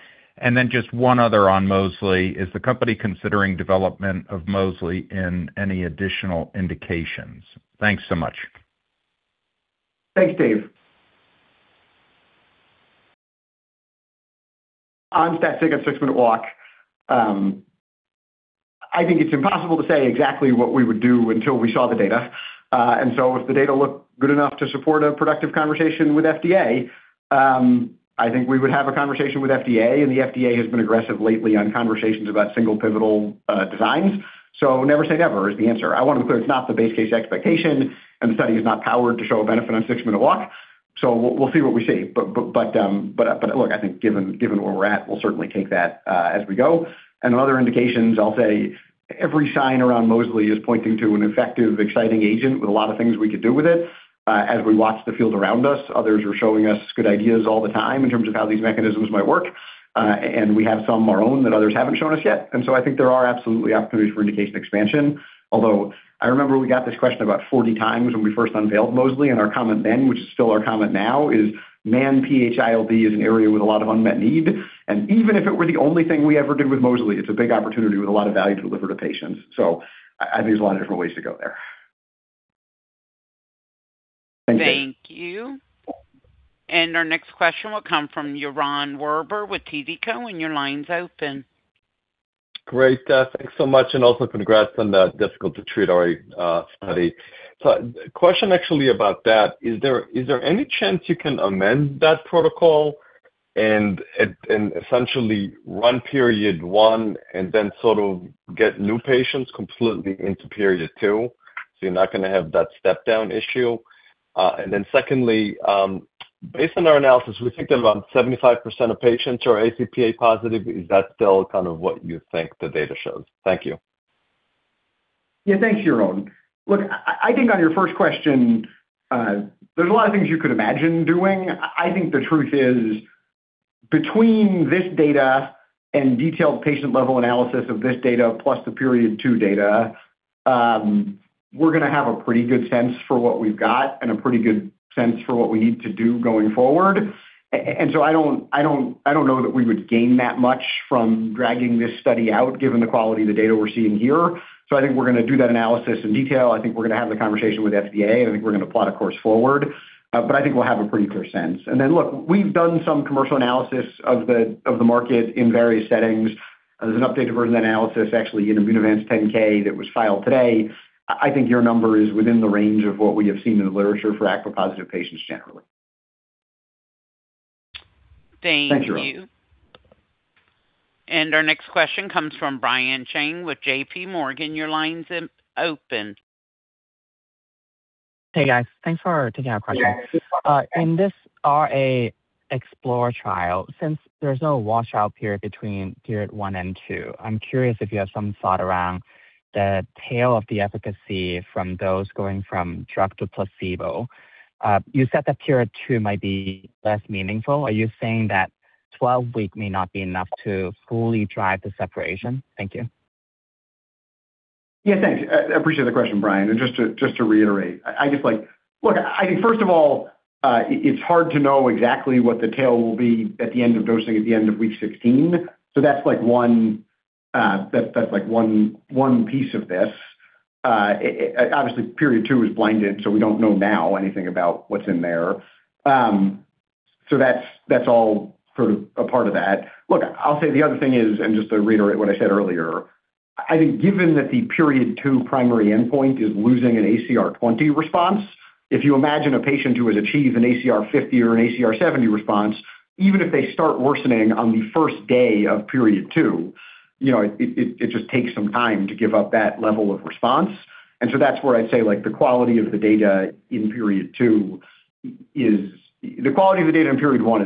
Just one other on mosliciguat, is the company considering development of mosliciguat in any additional indications? Thanks so much. Thanks, Dave. On statistic of six-minute walk, I think it's impossible to say exactly what we would do until we saw the data. If the data looked good enough to support a productive conversation with FDA, I think we would have a conversation with FDA, and the FDA has been aggressive lately on conversations about single pivotal designs. Never say never is the answer. I want to be clear, it's not the base case expectation, and the study is not powered to show a benefit on six-minute walk, we'll see what we see. Look, I think given where we're at, we'll certainly take that as we go. Other indications, I'll say every sign around mosliciguat is pointing to an effective, exciting agent with a lot of things we could do with it. As we watch the field around us, others are showing us good ideas all the time in terms of how these mechanisms might work. We have some our own that others haven't shown us yet. I think there are absolutely opportunities for indication expansion. I remember we got this question about 40 times when we first unveiled mosliciguat. Our comment then, which is still our comment now, is man PH-ILD is an area with a lot of unmet need. Even if it were the only thing we ever did with mosliciguat, it's a big opportunity with a lot of value delivered to patients. I think there's a lot of different ways to go there. Thank you. Our next question will come from Yaron Werber with TD Cowen. Your line's open. Great. Thanks so much, and also congrats on that difficult-to-treat study. Question actually about that. Is there any chance you can amend that protocol and essentially run Period 1 and then sort of get new patients completely into Period 2, so you're not going to have that step-down issue? Secondly, based on our analysis, we think that about 75% of patients are ACPA+ positive. Is that still kind of what you think the data shows? Thank you. Yeah, thanks, Yaron. Look, I think on your first question, there's a lot of things you could imagine doing. I think the truth is between this data and detailed patient-level analysis of this data plus the Period 2 data, we're going to have a pretty good sense for what we've got and a pretty good sense for what we need to do going forward. I don't know that we would gain that much from dragging this study out given the quality of the data we're seeing here. I think we're going to do that analysis in detail. I think we're going to have the conversation with FDA, and I think we're going to plot a course forward, but I think we'll have a pretty clear sense. Look, we've done some commercial analysis of the market in various settings. There's an updated version of analysis actually in Immunovant's 10-K that was filed today. I think your number is within the range of what we have seen in the literature for ACPA+ positive patients generally. Thank you. Thanks, Yaron. Our next question comes from Brian Cheng with JPMorgan. Your line's open. Hey, guys. Thanks for taking our question. Yeah. In this RA EXPLORER trial, since there's no washout period between Period 1 and 2, I'm curious if you have some thought around the tail of the efficacy from those going from drug to placebo. You said that Period 2 might be less meaningful. Are you saying that 12-week may not be enough to fully drive the separation? Thank you. Yeah, thanks. I appreciate the question, Brian. Just to reiterate, I think, first of all, it's hard to know exactly what the tail will be at the end of dosing at the end of week 16. That's one piece of this. Obviously, period two is blinded, so we don't know now anything about what's in there. That's all sort of a part of that. Look, I'll say the other thing is, and just to reiterate what I said earlier, I think given that the period two primary endpoint is losing an ACR20 response, if you imagine a patient who has achieved an ACR50 or an ACR70 response, even if they start worsening on the first day of Period 2, it just takes some time to give up that level of response. That's where I'd say the quality of the data in Period 1 is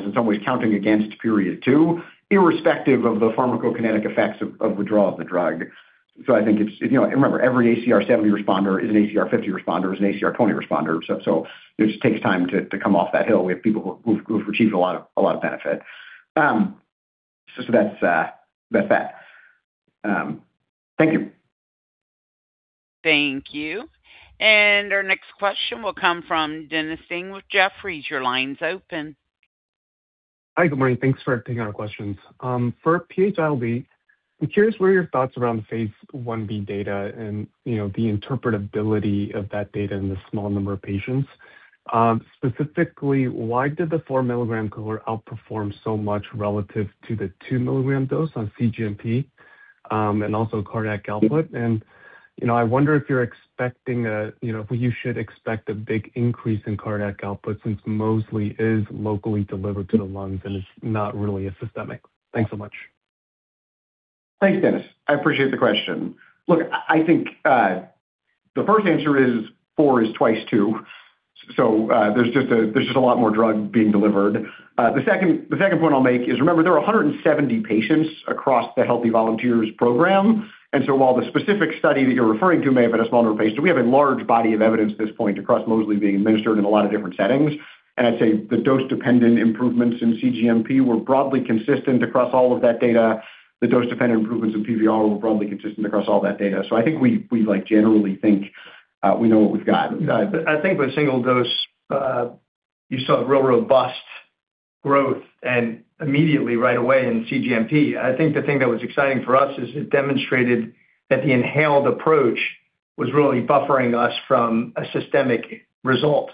in some ways counting against Period 2, irrespective of the pharmacokinetic effects of withdrawal of the drug. Remember, every ACR70 responder is an ACR50 responder, is an ACR20 responder. It just takes time to come off that hill. We have people who've achieved a lot of benefit. That's that. Thank you. Thank you. Our next question will come from Dennis Ding with Jefferies. Your line's open. Hi. Good morning. Thanks for taking our questions. For PH-ILD, I am curious what are your thoughts around the phase I-B data and the interpretability of that data in the small number of patients. Specifically, why did the 4 mg cohort outperform so much relative to the 2 mg dose on cGMP, and also cardiac output? I wonder if you should expect a big increase in cardiac output since mosliciguat is locally delivered to the lungs and it is not really a systemic. Thanks so much. Thanks, Dennis. I appreciate the question. Look, I think the first answer is four is twice two, so there's just a lot more drug being delivered. The second point I'll make is, remember, there are 170 patients across the Healthy Volunteers program, and so while the specific study that you're referring to may have had a smaller patient, we have a large body of evidence at this point across mosliciguat being administered in a lot of different settings. I'd say the dose-dependent improvements in cGMP were broadly consistent across all of that data. The dose-dependent improvements in PVR were broadly consistent across all that data. I think we generally think we know what we've got. I think with a single dose, you saw real robust growth and immediately right away in cGMP. I think the thing that was exciting for us is it demonstrated that the inhaled approach was really buffering us from a systemic result.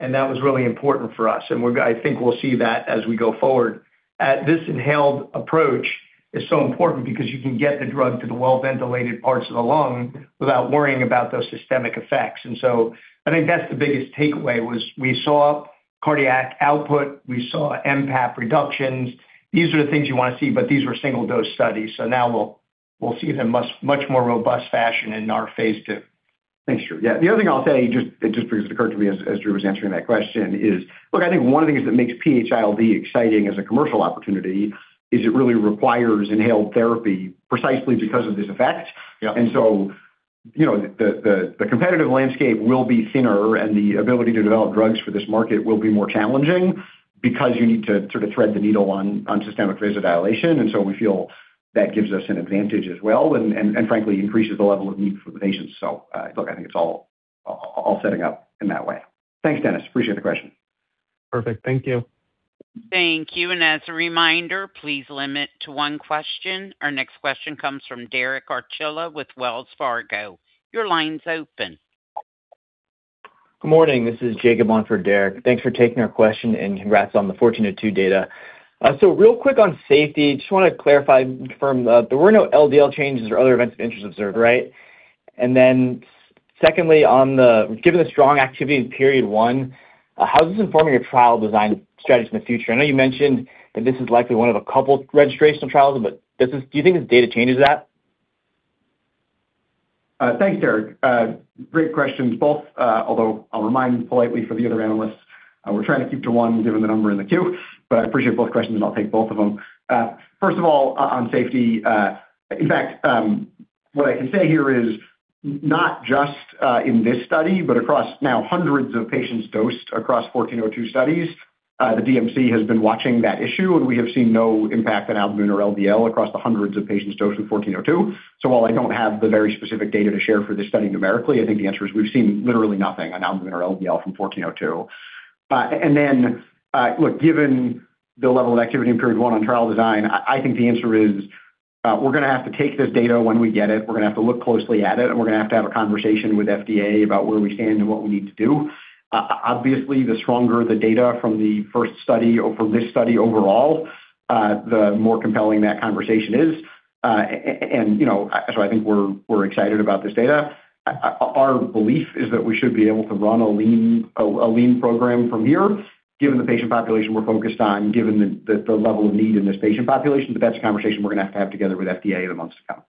That was really important for us. I think we'll see that as we go forward. This inhaled approach is so important because you can get the drug to the well-ventilated parts of the lung without worrying about those systemic effects. I think that's the biggest takeaway was we saw cardiac output, we saw mPAP reductions. These are the things you want to see, but these were single-dose studies, so now we'll see it in much more robust fashion in our phase II. Thanks, Drew. Yeah, the other thing I'll say, it just occurred to me as Drew was answering that question is, look, I think one of the things that makes PH-ILD exciting as a commercial opportunity is it really requires inhaled therapy precisely because of this effect. Yep. The competitive landscape will be thinner, and the ability to develop drugs for this market will be more challenging because you need to sort of thread the needle on systemic vasodilation. We feel that gives us an advantage as well and frankly increases the level of need for the patients. Look, I think it's all setting up in that way. Thanks, Dennis, appreciate the question. Perfect. Thank you. Thank you. As a reminder, please limit to one question. Our next question comes from Derek Archila with Wells Fargo. Your line's open. Good morning. This is Jacob on for Derek. Thanks for taking our question and congrats on the IMVT-1402 data. Real quick on safety, just want to clarify, confirm there were no LDL changes or other events of interest observed, right? Secondly, given the strong activity in Period 1, how is this informing your trial design strategy in the future? I know you mentioned that this is likely one of a couple registrational trials, do you think this data changes that? Thanks, Jacob. Great questions both. I'll remind politely for the other analysts, we're trying to keep to one given the number in the queue, but I appreciate both questions, and I'll take both of them. First of all, on safety, in fact, what I can say here is not just in this study, but across now hundreds of patients dosed across IMVT-1402 studies, the DMC has been watching that issue, and we have seen no impact on albumin or LDL across the hundreds of patients dosed with IMVT-1402. While I don't have the very specific data to share for this study numerically, I think the answer is we've seen literally nothing on albumin or LDL from IMVT-1402. Look, given the level of activity in Period 1 on trial design, I think the answer is we're going to have to take this data when we get it. We're going to have to look closely at it, and we're going to have to have a conversation with FDA about where we stand and what we need to do. Obviously, the stronger the data from the first study or from this study overall, the more compelling that conversation is. I think we're excited about this data. Our belief is that we should be able to run a lean program from here, given the patient population we're focused on, given the level of need in this patient population. That's a conversation we're going to have to have together with FDA in the months to come.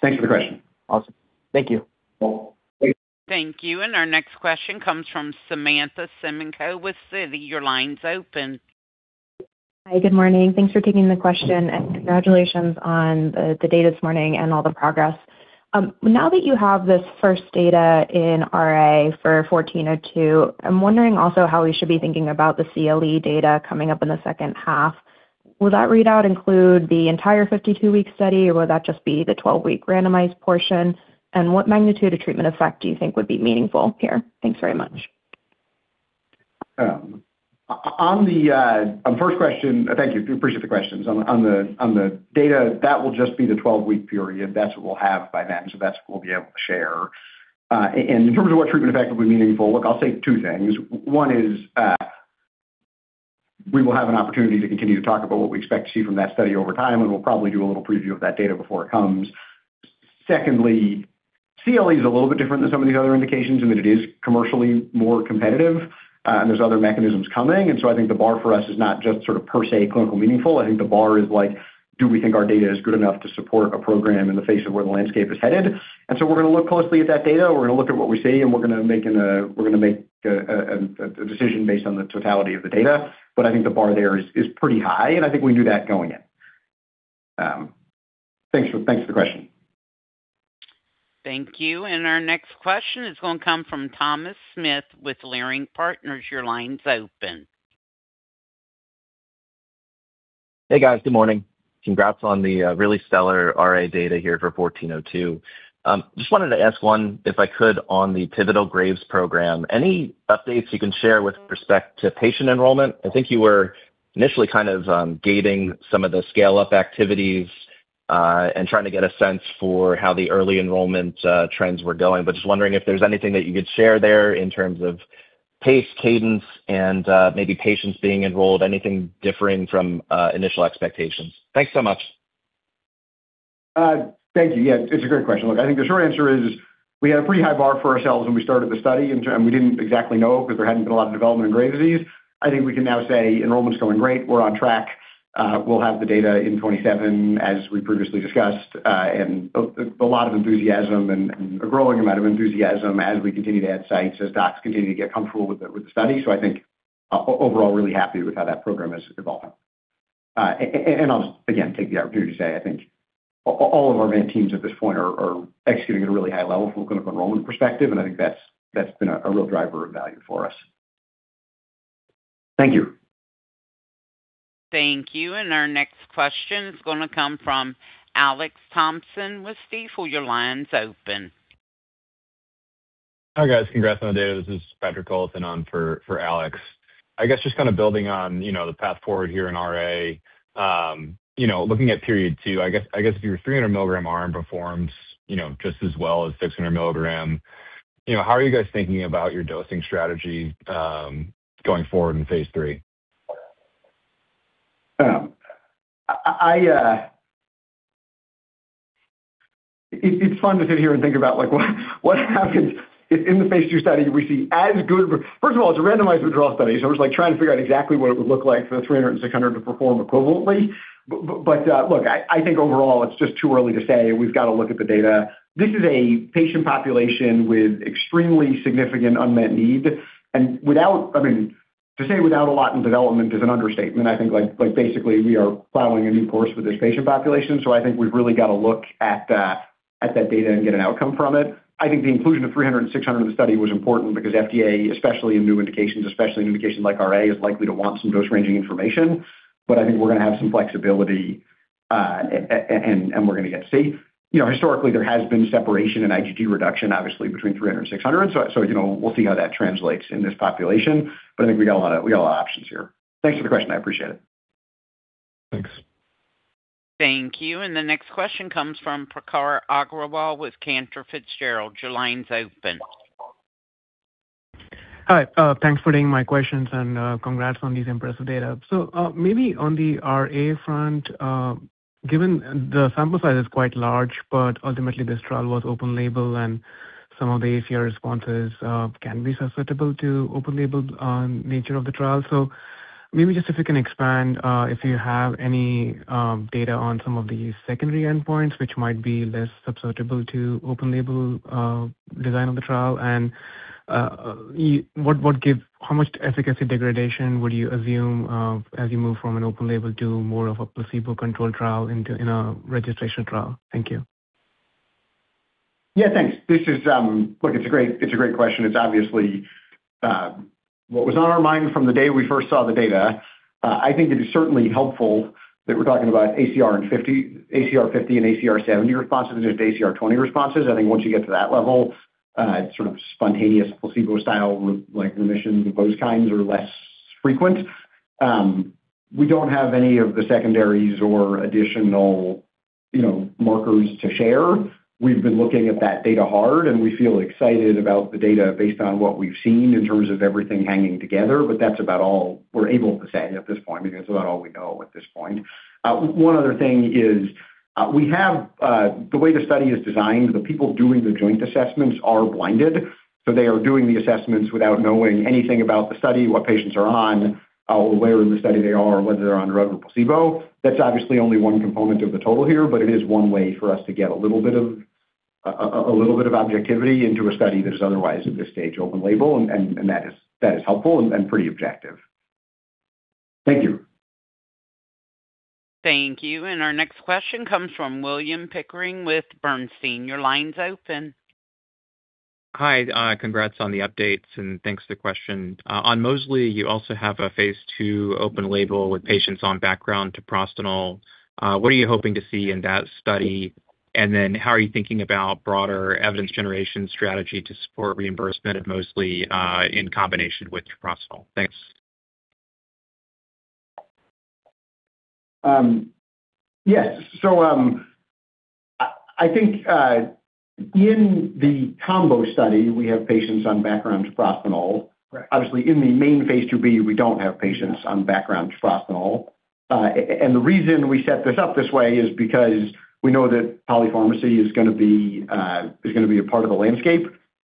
Thanks for the question. Awesome. Thank you. Yeah. Thank you. Our next question comes from Samantha Semenkow with Citi. Your line's open. Hi, good morning. Thanks for taking the question and congratulations on the data this morning and all the progress. Now that you have this first data in RA for IMVT-1402, I'm wondering also how we should be thinking about the CLE data coming up in the second half. Will that readout include the entire 52-week study, or will that just be the 12-week randomized portion? What magnitude of treatment effect do you think would be meaningful here? Thanks very much. On first question. Thank you. Appreciate the questions. On the data, that will just be the 12-week period. That's what we'll have by then, so that's what we'll be able to share. In terms of what treatment effect will be meaningful, look, I'll say two things. One is we will have an opportunity to continue to talk about what we expect to see from that study over time, and we'll probably do a little preview of that data before it comes. Secondly, CLE is a little bit different than some of these other indications in that it is commercially more competitive, and there's other mechanisms coming. I think the bar for us is not just sort of per se clinical meaningful. I think the bar is do we think our data is good enough to support a program in the face of where the landscape is headed? We're going to look closely at that data. We're going to look at what we see, and we're going to make a decision based on the totality of the data. I think the bar there is pretty high, and I think we knew that going in. Thanks for the question. Thank you. Our next question is going to come from Thomas Smith with Leerink Partners. Your line's open. Hey, guys. Good morning. Congrats on the really stellar RA data here for IMVT-1402. Just wanted to ask one, if I could, on the pivotal Graves program. Any updates you can share with respect to patient enrollment? I think you were initially kind of gating some of the scale-up activities and trying to get a sense for how the early enrollment trends were going. Just wondering if there's anything that you could share there in terms of pace, cadence, and maybe patients being enrolled, anything differing from initial expectations. Thanks so much. Thank you. Yeah, it's a great question. Look, I think the short answer is we had a pretty high bar for ourselves when we started the study, and we didn't exactly know because there hadn't been a lot of development in Graves' disease. I think we can now say enrollment's going great. We're on track. We'll have the data in 2027, as we previously discussed, and a lot of enthusiasm and a growing amount of enthusiasm as we continue to add sites, as docs continue to get comfortable with the study. I think overall, really happy with how that program has evolved. I'll just, again, take the opportunity to say I think all of our main teams at this point are executing at a really high level from a clinical enrollment perspective, and I think that's been a real driver of value for us. Thank you. Thank you. Our next question is going to come from Alex Thompson with Stifel. Your line's open. Hi, guys. Congrats on the data. This is Patrick Krause on for Alex. I guess just building on the path forward here in RA. Looking at Period 2, I guess if your 300 mg arm performs just as well as 600 mg, how are you guys thinking about your dosing strategy going forward in phase III? It's fun to sit here and think about what happens if in the phase II study we see as good, First of all, it's a randomized withdrawal study, so I was trying to figure out exactly what it would look like for the 300 mg and 600 mg to perform equivalently. Look, I think overall it's just too early to say. We've got to look at the data. This is a patient population with extremely significant unmet need and to say without a lot in development is an understatement. I think basically we are plowing a new course with this patient population. I think we've really got to look at that data and get an outcome from it. I think the inclusion of 300 mg and 600 mg in the study was important because FDA, especially in new indications, especially an indication like RA, is likely to want some dose ranging information. I think we're going to have some flexibility, and we're going to get to see. Historically, there has been separation in IgG reduction, obviously between 300 mg and 600 mg. We'll see how that translates in this population. I think we got a lot of options here. Thanks for the question. I appreciate it. Thanks. Thank you. The next question comes from Prakhar Agrawal with Cantor Fitzgerald. Your line's open. Hi, thanks for taking my questions and congrats on these impressive data. Maybe on the RA front, given the sample size is quite large, but ultimately this trial was open label and some of the ACR responses can be susceptible to open label nature of the trial. Maybe just if you can expand if you have any data on some of the secondary endpoints which might be less susceptible to open label design of the trial and how much efficacy degradation would you assume as you move from an open label to more of a placebo-controlled trial in a registration trial? Thank you. Yeah, thanks. Look, it's a great question. It's obviously what was on our mind from the day we first saw the data. I think it is certainly helpful that we're talking about ACR50 and ACR70 responses than just ACR20 responses. I think once you get to that level, it's sort of spontaneous placebo-style, like remissions of those kinds are less frequent. We don't have any of the secondaries or additional markers to share. We've been looking at that data hard, and we feel excited about the data based on what we've seen in terms of everything hanging together. That's about all we're able to say at this point because that's about all we know at this point. One other thing is the way the study is designed, the people doing the joint assessments are blinded. They are doing the assessments without knowing anything about the study, what patients are on, where in the study they are, or whether they're on drug or placebo. That's obviously only one component of the total here, but it is one way for us to get a little bit of objectivity into a study that's otherwise, at this stage, open label, and that is helpful and pretty objective. Thank you. Thank you. Our next question comes from William Pickering with Bernstein. Your line's open. Hi, congrats on the updates and thanks for the question. On mosliciguat, you also have a phase II open label with patients on background treprostinil. What are you hoping to see in that study? How are you thinking about broader evidence generation strategy to support reimbursement of mosliciguat in combination with treprostinil? Thanks. Yes. I think in the combo study, we have patients on background treprostinil. Obviously, in the main phase II-B, we don't have patients on background treprostinil. The reason we set this up this way is because we know that polypharmacy is going to be a part of the landscape.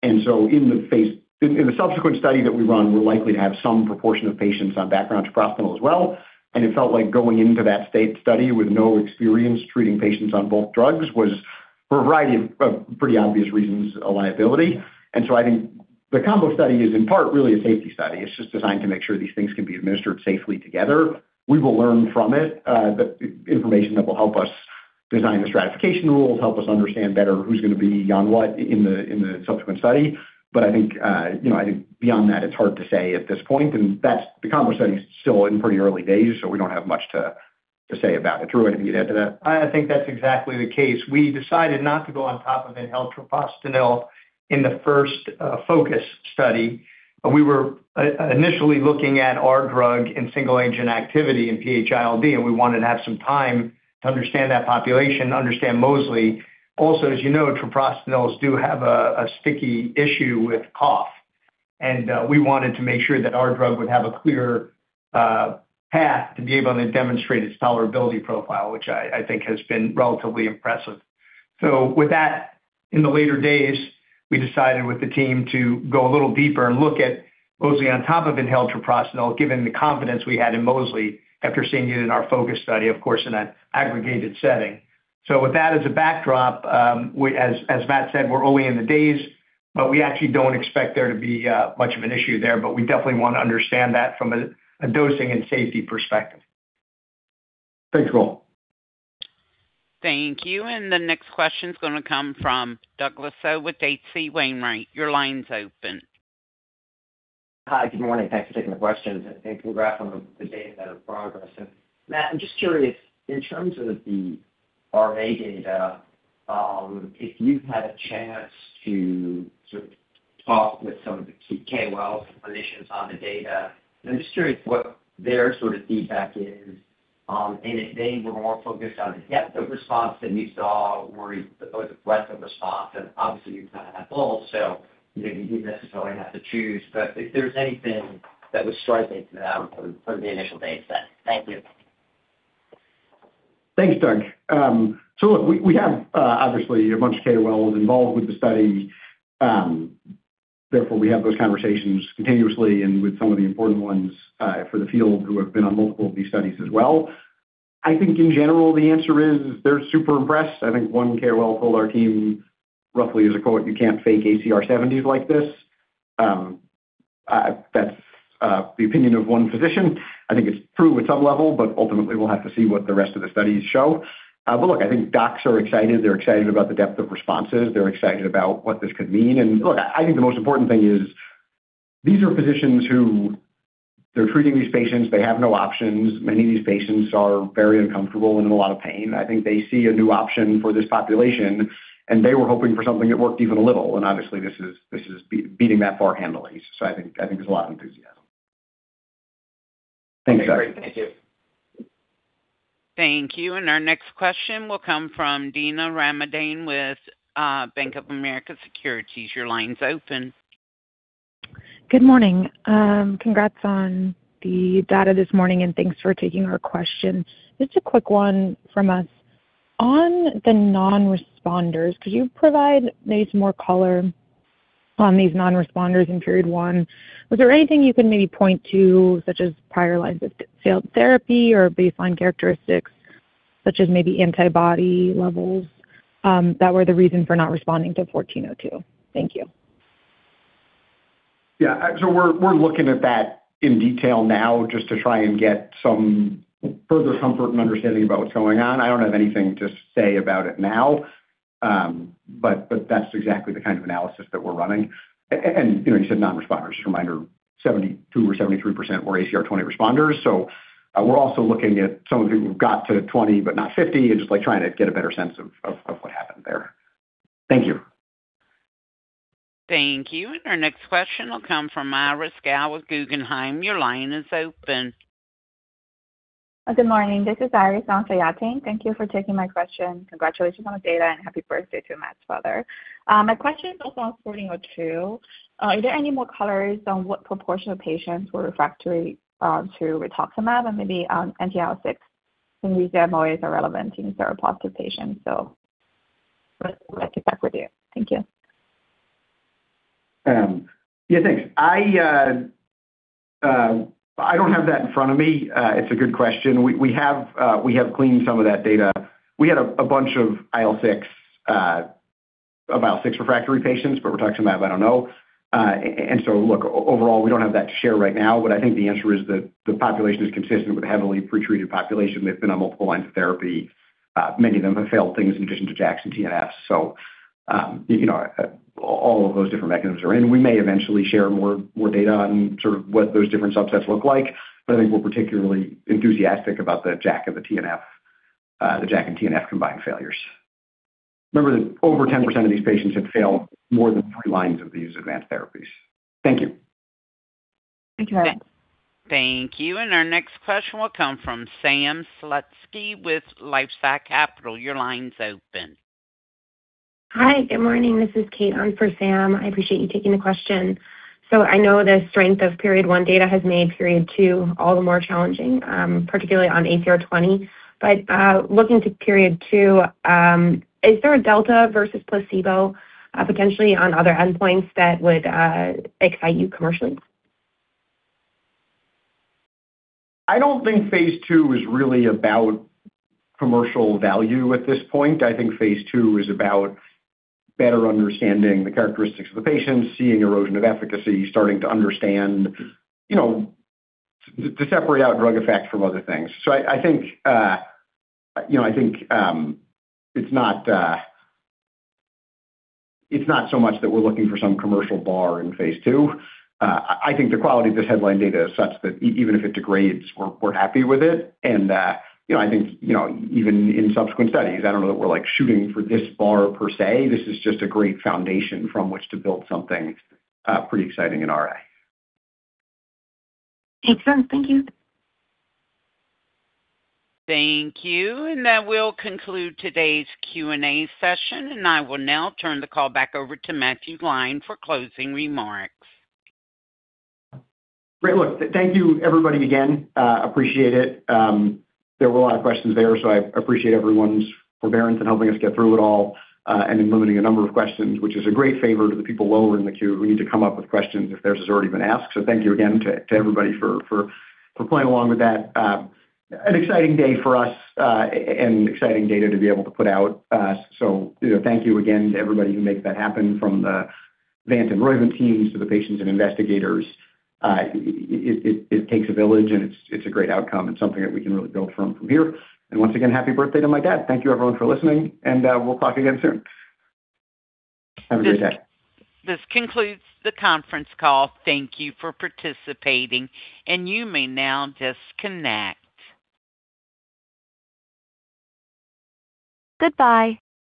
In the subsequent study that we run, we're likely to have some proportion of patients on background treprostinil as well. It felt like going into that state study with no experience treating patients on both drugs was, for a variety of pretty obvious reasons, a liability. I think the combo study is in part really a safety study. It's just designed to make sure these things can be administered safely together. We will learn from it the information that will help us design the stratification rules, help us understand better who's going to be on what in the subsequent study. I think beyond that, it's hard to say at this point. The combo study is still in pretty early days, so we don't have much to say about it. Drew, anything to add to that? I think that's exactly the case. We decided not to go on top of inhaled treprostinil in the first PHocus study. We were initially looking at our drug and single agent activity in PH-ILD. We wanted to have some time to understand that population, understand mosliciguat. As you know, treprostinils do have a sticky issue with cough. We wanted to make sure that our drug would have a clear path to be able to demonstrate its tolerability profile, which I think has been relatively impressive. With that, in the later days, we decided with the team to go a little deeper and look at mosliciguat on top of inhaled treprostinil, given the confidence we had in mosliciguat after seeing it in our PHocus study, of course, in an aggregated setting. With that as a backdrop, as Matt said, we're only in the days, but we actually don't expect there to be much of an issue there. We definitely want to understand that from a dosing and safety perspective. Thanks, Drew. Thank you. The next question's going to come from Douglas Tsao with H.C. Wainwright. Your line's open. Hi. Good morning. Thanks for taking the questions and congrats on the data progress. Matt, I'm just curious, in terms of RA data. If you've had a chance to talk with some of the key KOLs and clinicians on the data, I'm just curious what their sort of feedback is. If they were more focused on the depth of response that you saw or the breadth of response, and obviously you'd kind of have both, so you didn't necessarily have to choose. If there's anything that was striking to them from the initial data set. Thank you. Thanks, Doug. Look, we have obviously a bunch of KOLs involved with the study, therefore we have those conversations continuously and with some of the important ones for the field who have been on multiple of these studies as well. I think in general, the answer is they're super impressed. I think one KOL told our team roughly as a quote, "You can't fake ACR70s like this." That's the opinion of one physician. I think it's true at some level, ultimately we'll have to see what the rest of the studies show. Look, I think docs are excited. They're excited about the depth of responses. They're excited about what this could mean. Look, I think the most important thing is these are physicians who, they're treating these patients, they have no options. Many of these patients are very uncomfortable and in a lot of pain. I think they see a new option for this population, and they were hoping for something that worked even a little, and obviously this is beating that bar handily. I think there's a lot of enthusiasm. Thanks, Doug. Great. Thank you. Thank you. Our next question will come from Dina Ramadane with Bank of America Securities. Your line's open. Good morning. Congrats on the data this morning, and thanks for taking our question. Just a quick one from us. On the non-responders, could you provide maybe some more color on these non-responders in period one? Was there anything you can maybe point to, such as prior lines of failed therapy or baseline characteristics such as maybe antibody levels, that were the reason for not responding to IMVT-1402? Thank you. Yeah. We're looking at that in detail now just to try and get some further comfort and understanding about what's going on. I don't have anything to say about it now. That's exactly the kind of analysis that we're running. You said non-responders, just a reminder, 72% or 73% were ACR20 responders, so we're also looking at some of whom who've got to 20 but not 50 and just trying to get a better sense of what happened there. Thank you. Thank you. Our next question will come from Iris Gao with Guggenheim. Your line is open. Good morning. This is Iris on for Yatin. Thank you for taking my question. Congratulations on the data, and happy birthday to Matt's father. My question is also on IMVT-1402. Are there any more colors on what proportion of patients were refractory to rituximab and maybe anti-IL-6? Since these MOAs are relevant in seropositive patients, so would like to check with you. Thank you. Yeah, thanks. I don't have that in front of me. It's a good question. We have cleaned some of that data. We had a bunch of IL-6-refractory patients, but rituximab, I don't know. Look, overall, we don't have that to share right now, but I think the answer is that the population is consistent with a heavily pretreated population. They've been on multiple lines of therapy. Many of them have failed things in addition to JAK and TNF. All of those different mechanisms are in. We may eventually share more data on sort of what those different subsets look like, but I think we're particularly enthusiastic about the JAK and TNF combined failures. Remember that over 10% of these patients had failed more than three lines of these advanced therapies. Thank you. Okay, thanks. Thank you. Our next question will come from Sam Slutsky with LifeSci Capital. Your line's open. Hi, good morning. This is Kate on for Sam. I appreciate you taking the question. I know the strength of Period 1 data has made Period 2 all the more challenging, particularly on ACR20. Looking to Period 2, is there a delta versus placebo potentially on other endpoints that would excite you commercially? I don't think phase II is really about commercial value at this point. I think phase II is about better understanding the characteristics of the patients, seeing erosion of efficacy, starting to separate out drug effects from other things. I think it's not so much that we're looking for some commercial bar in phase II. I think the quality of this headline data is such that even if it degrades, we're happy with it, and I think even in subsequent studies, I don't know that we're shooting for this bar per se. This is just a great foundation from which to build something pretty exciting in RA. Makes sense. Thank you. Thank you. That will conclude today's Q&A session. I will now turn the call back over to Matthew Gline for closing remarks. Great. Look, thank you everybody again. Appreciate it. There were a lot of questions there, I appreciate everyone's forbearance in helping us get through it all, and in limiting the number of questions, which is a great favor to the people lower in the queue who need to come up with questions if theirs has already been asked. Thank you again to everybody for playing along with that. An exciting day for us, exciting data to be able to put out. Thank you again to everybody who makes that happen from the Vant and Roivant teams to the patients and investigators. It takes a village and it's a great outcome and something that we can really build from here. Once again, happy birthday to my dad. Thank you everyone for listening, and we'll talk again soon. Have a great day. This concludes the conference call. Thank you for participating. You may now disconnect.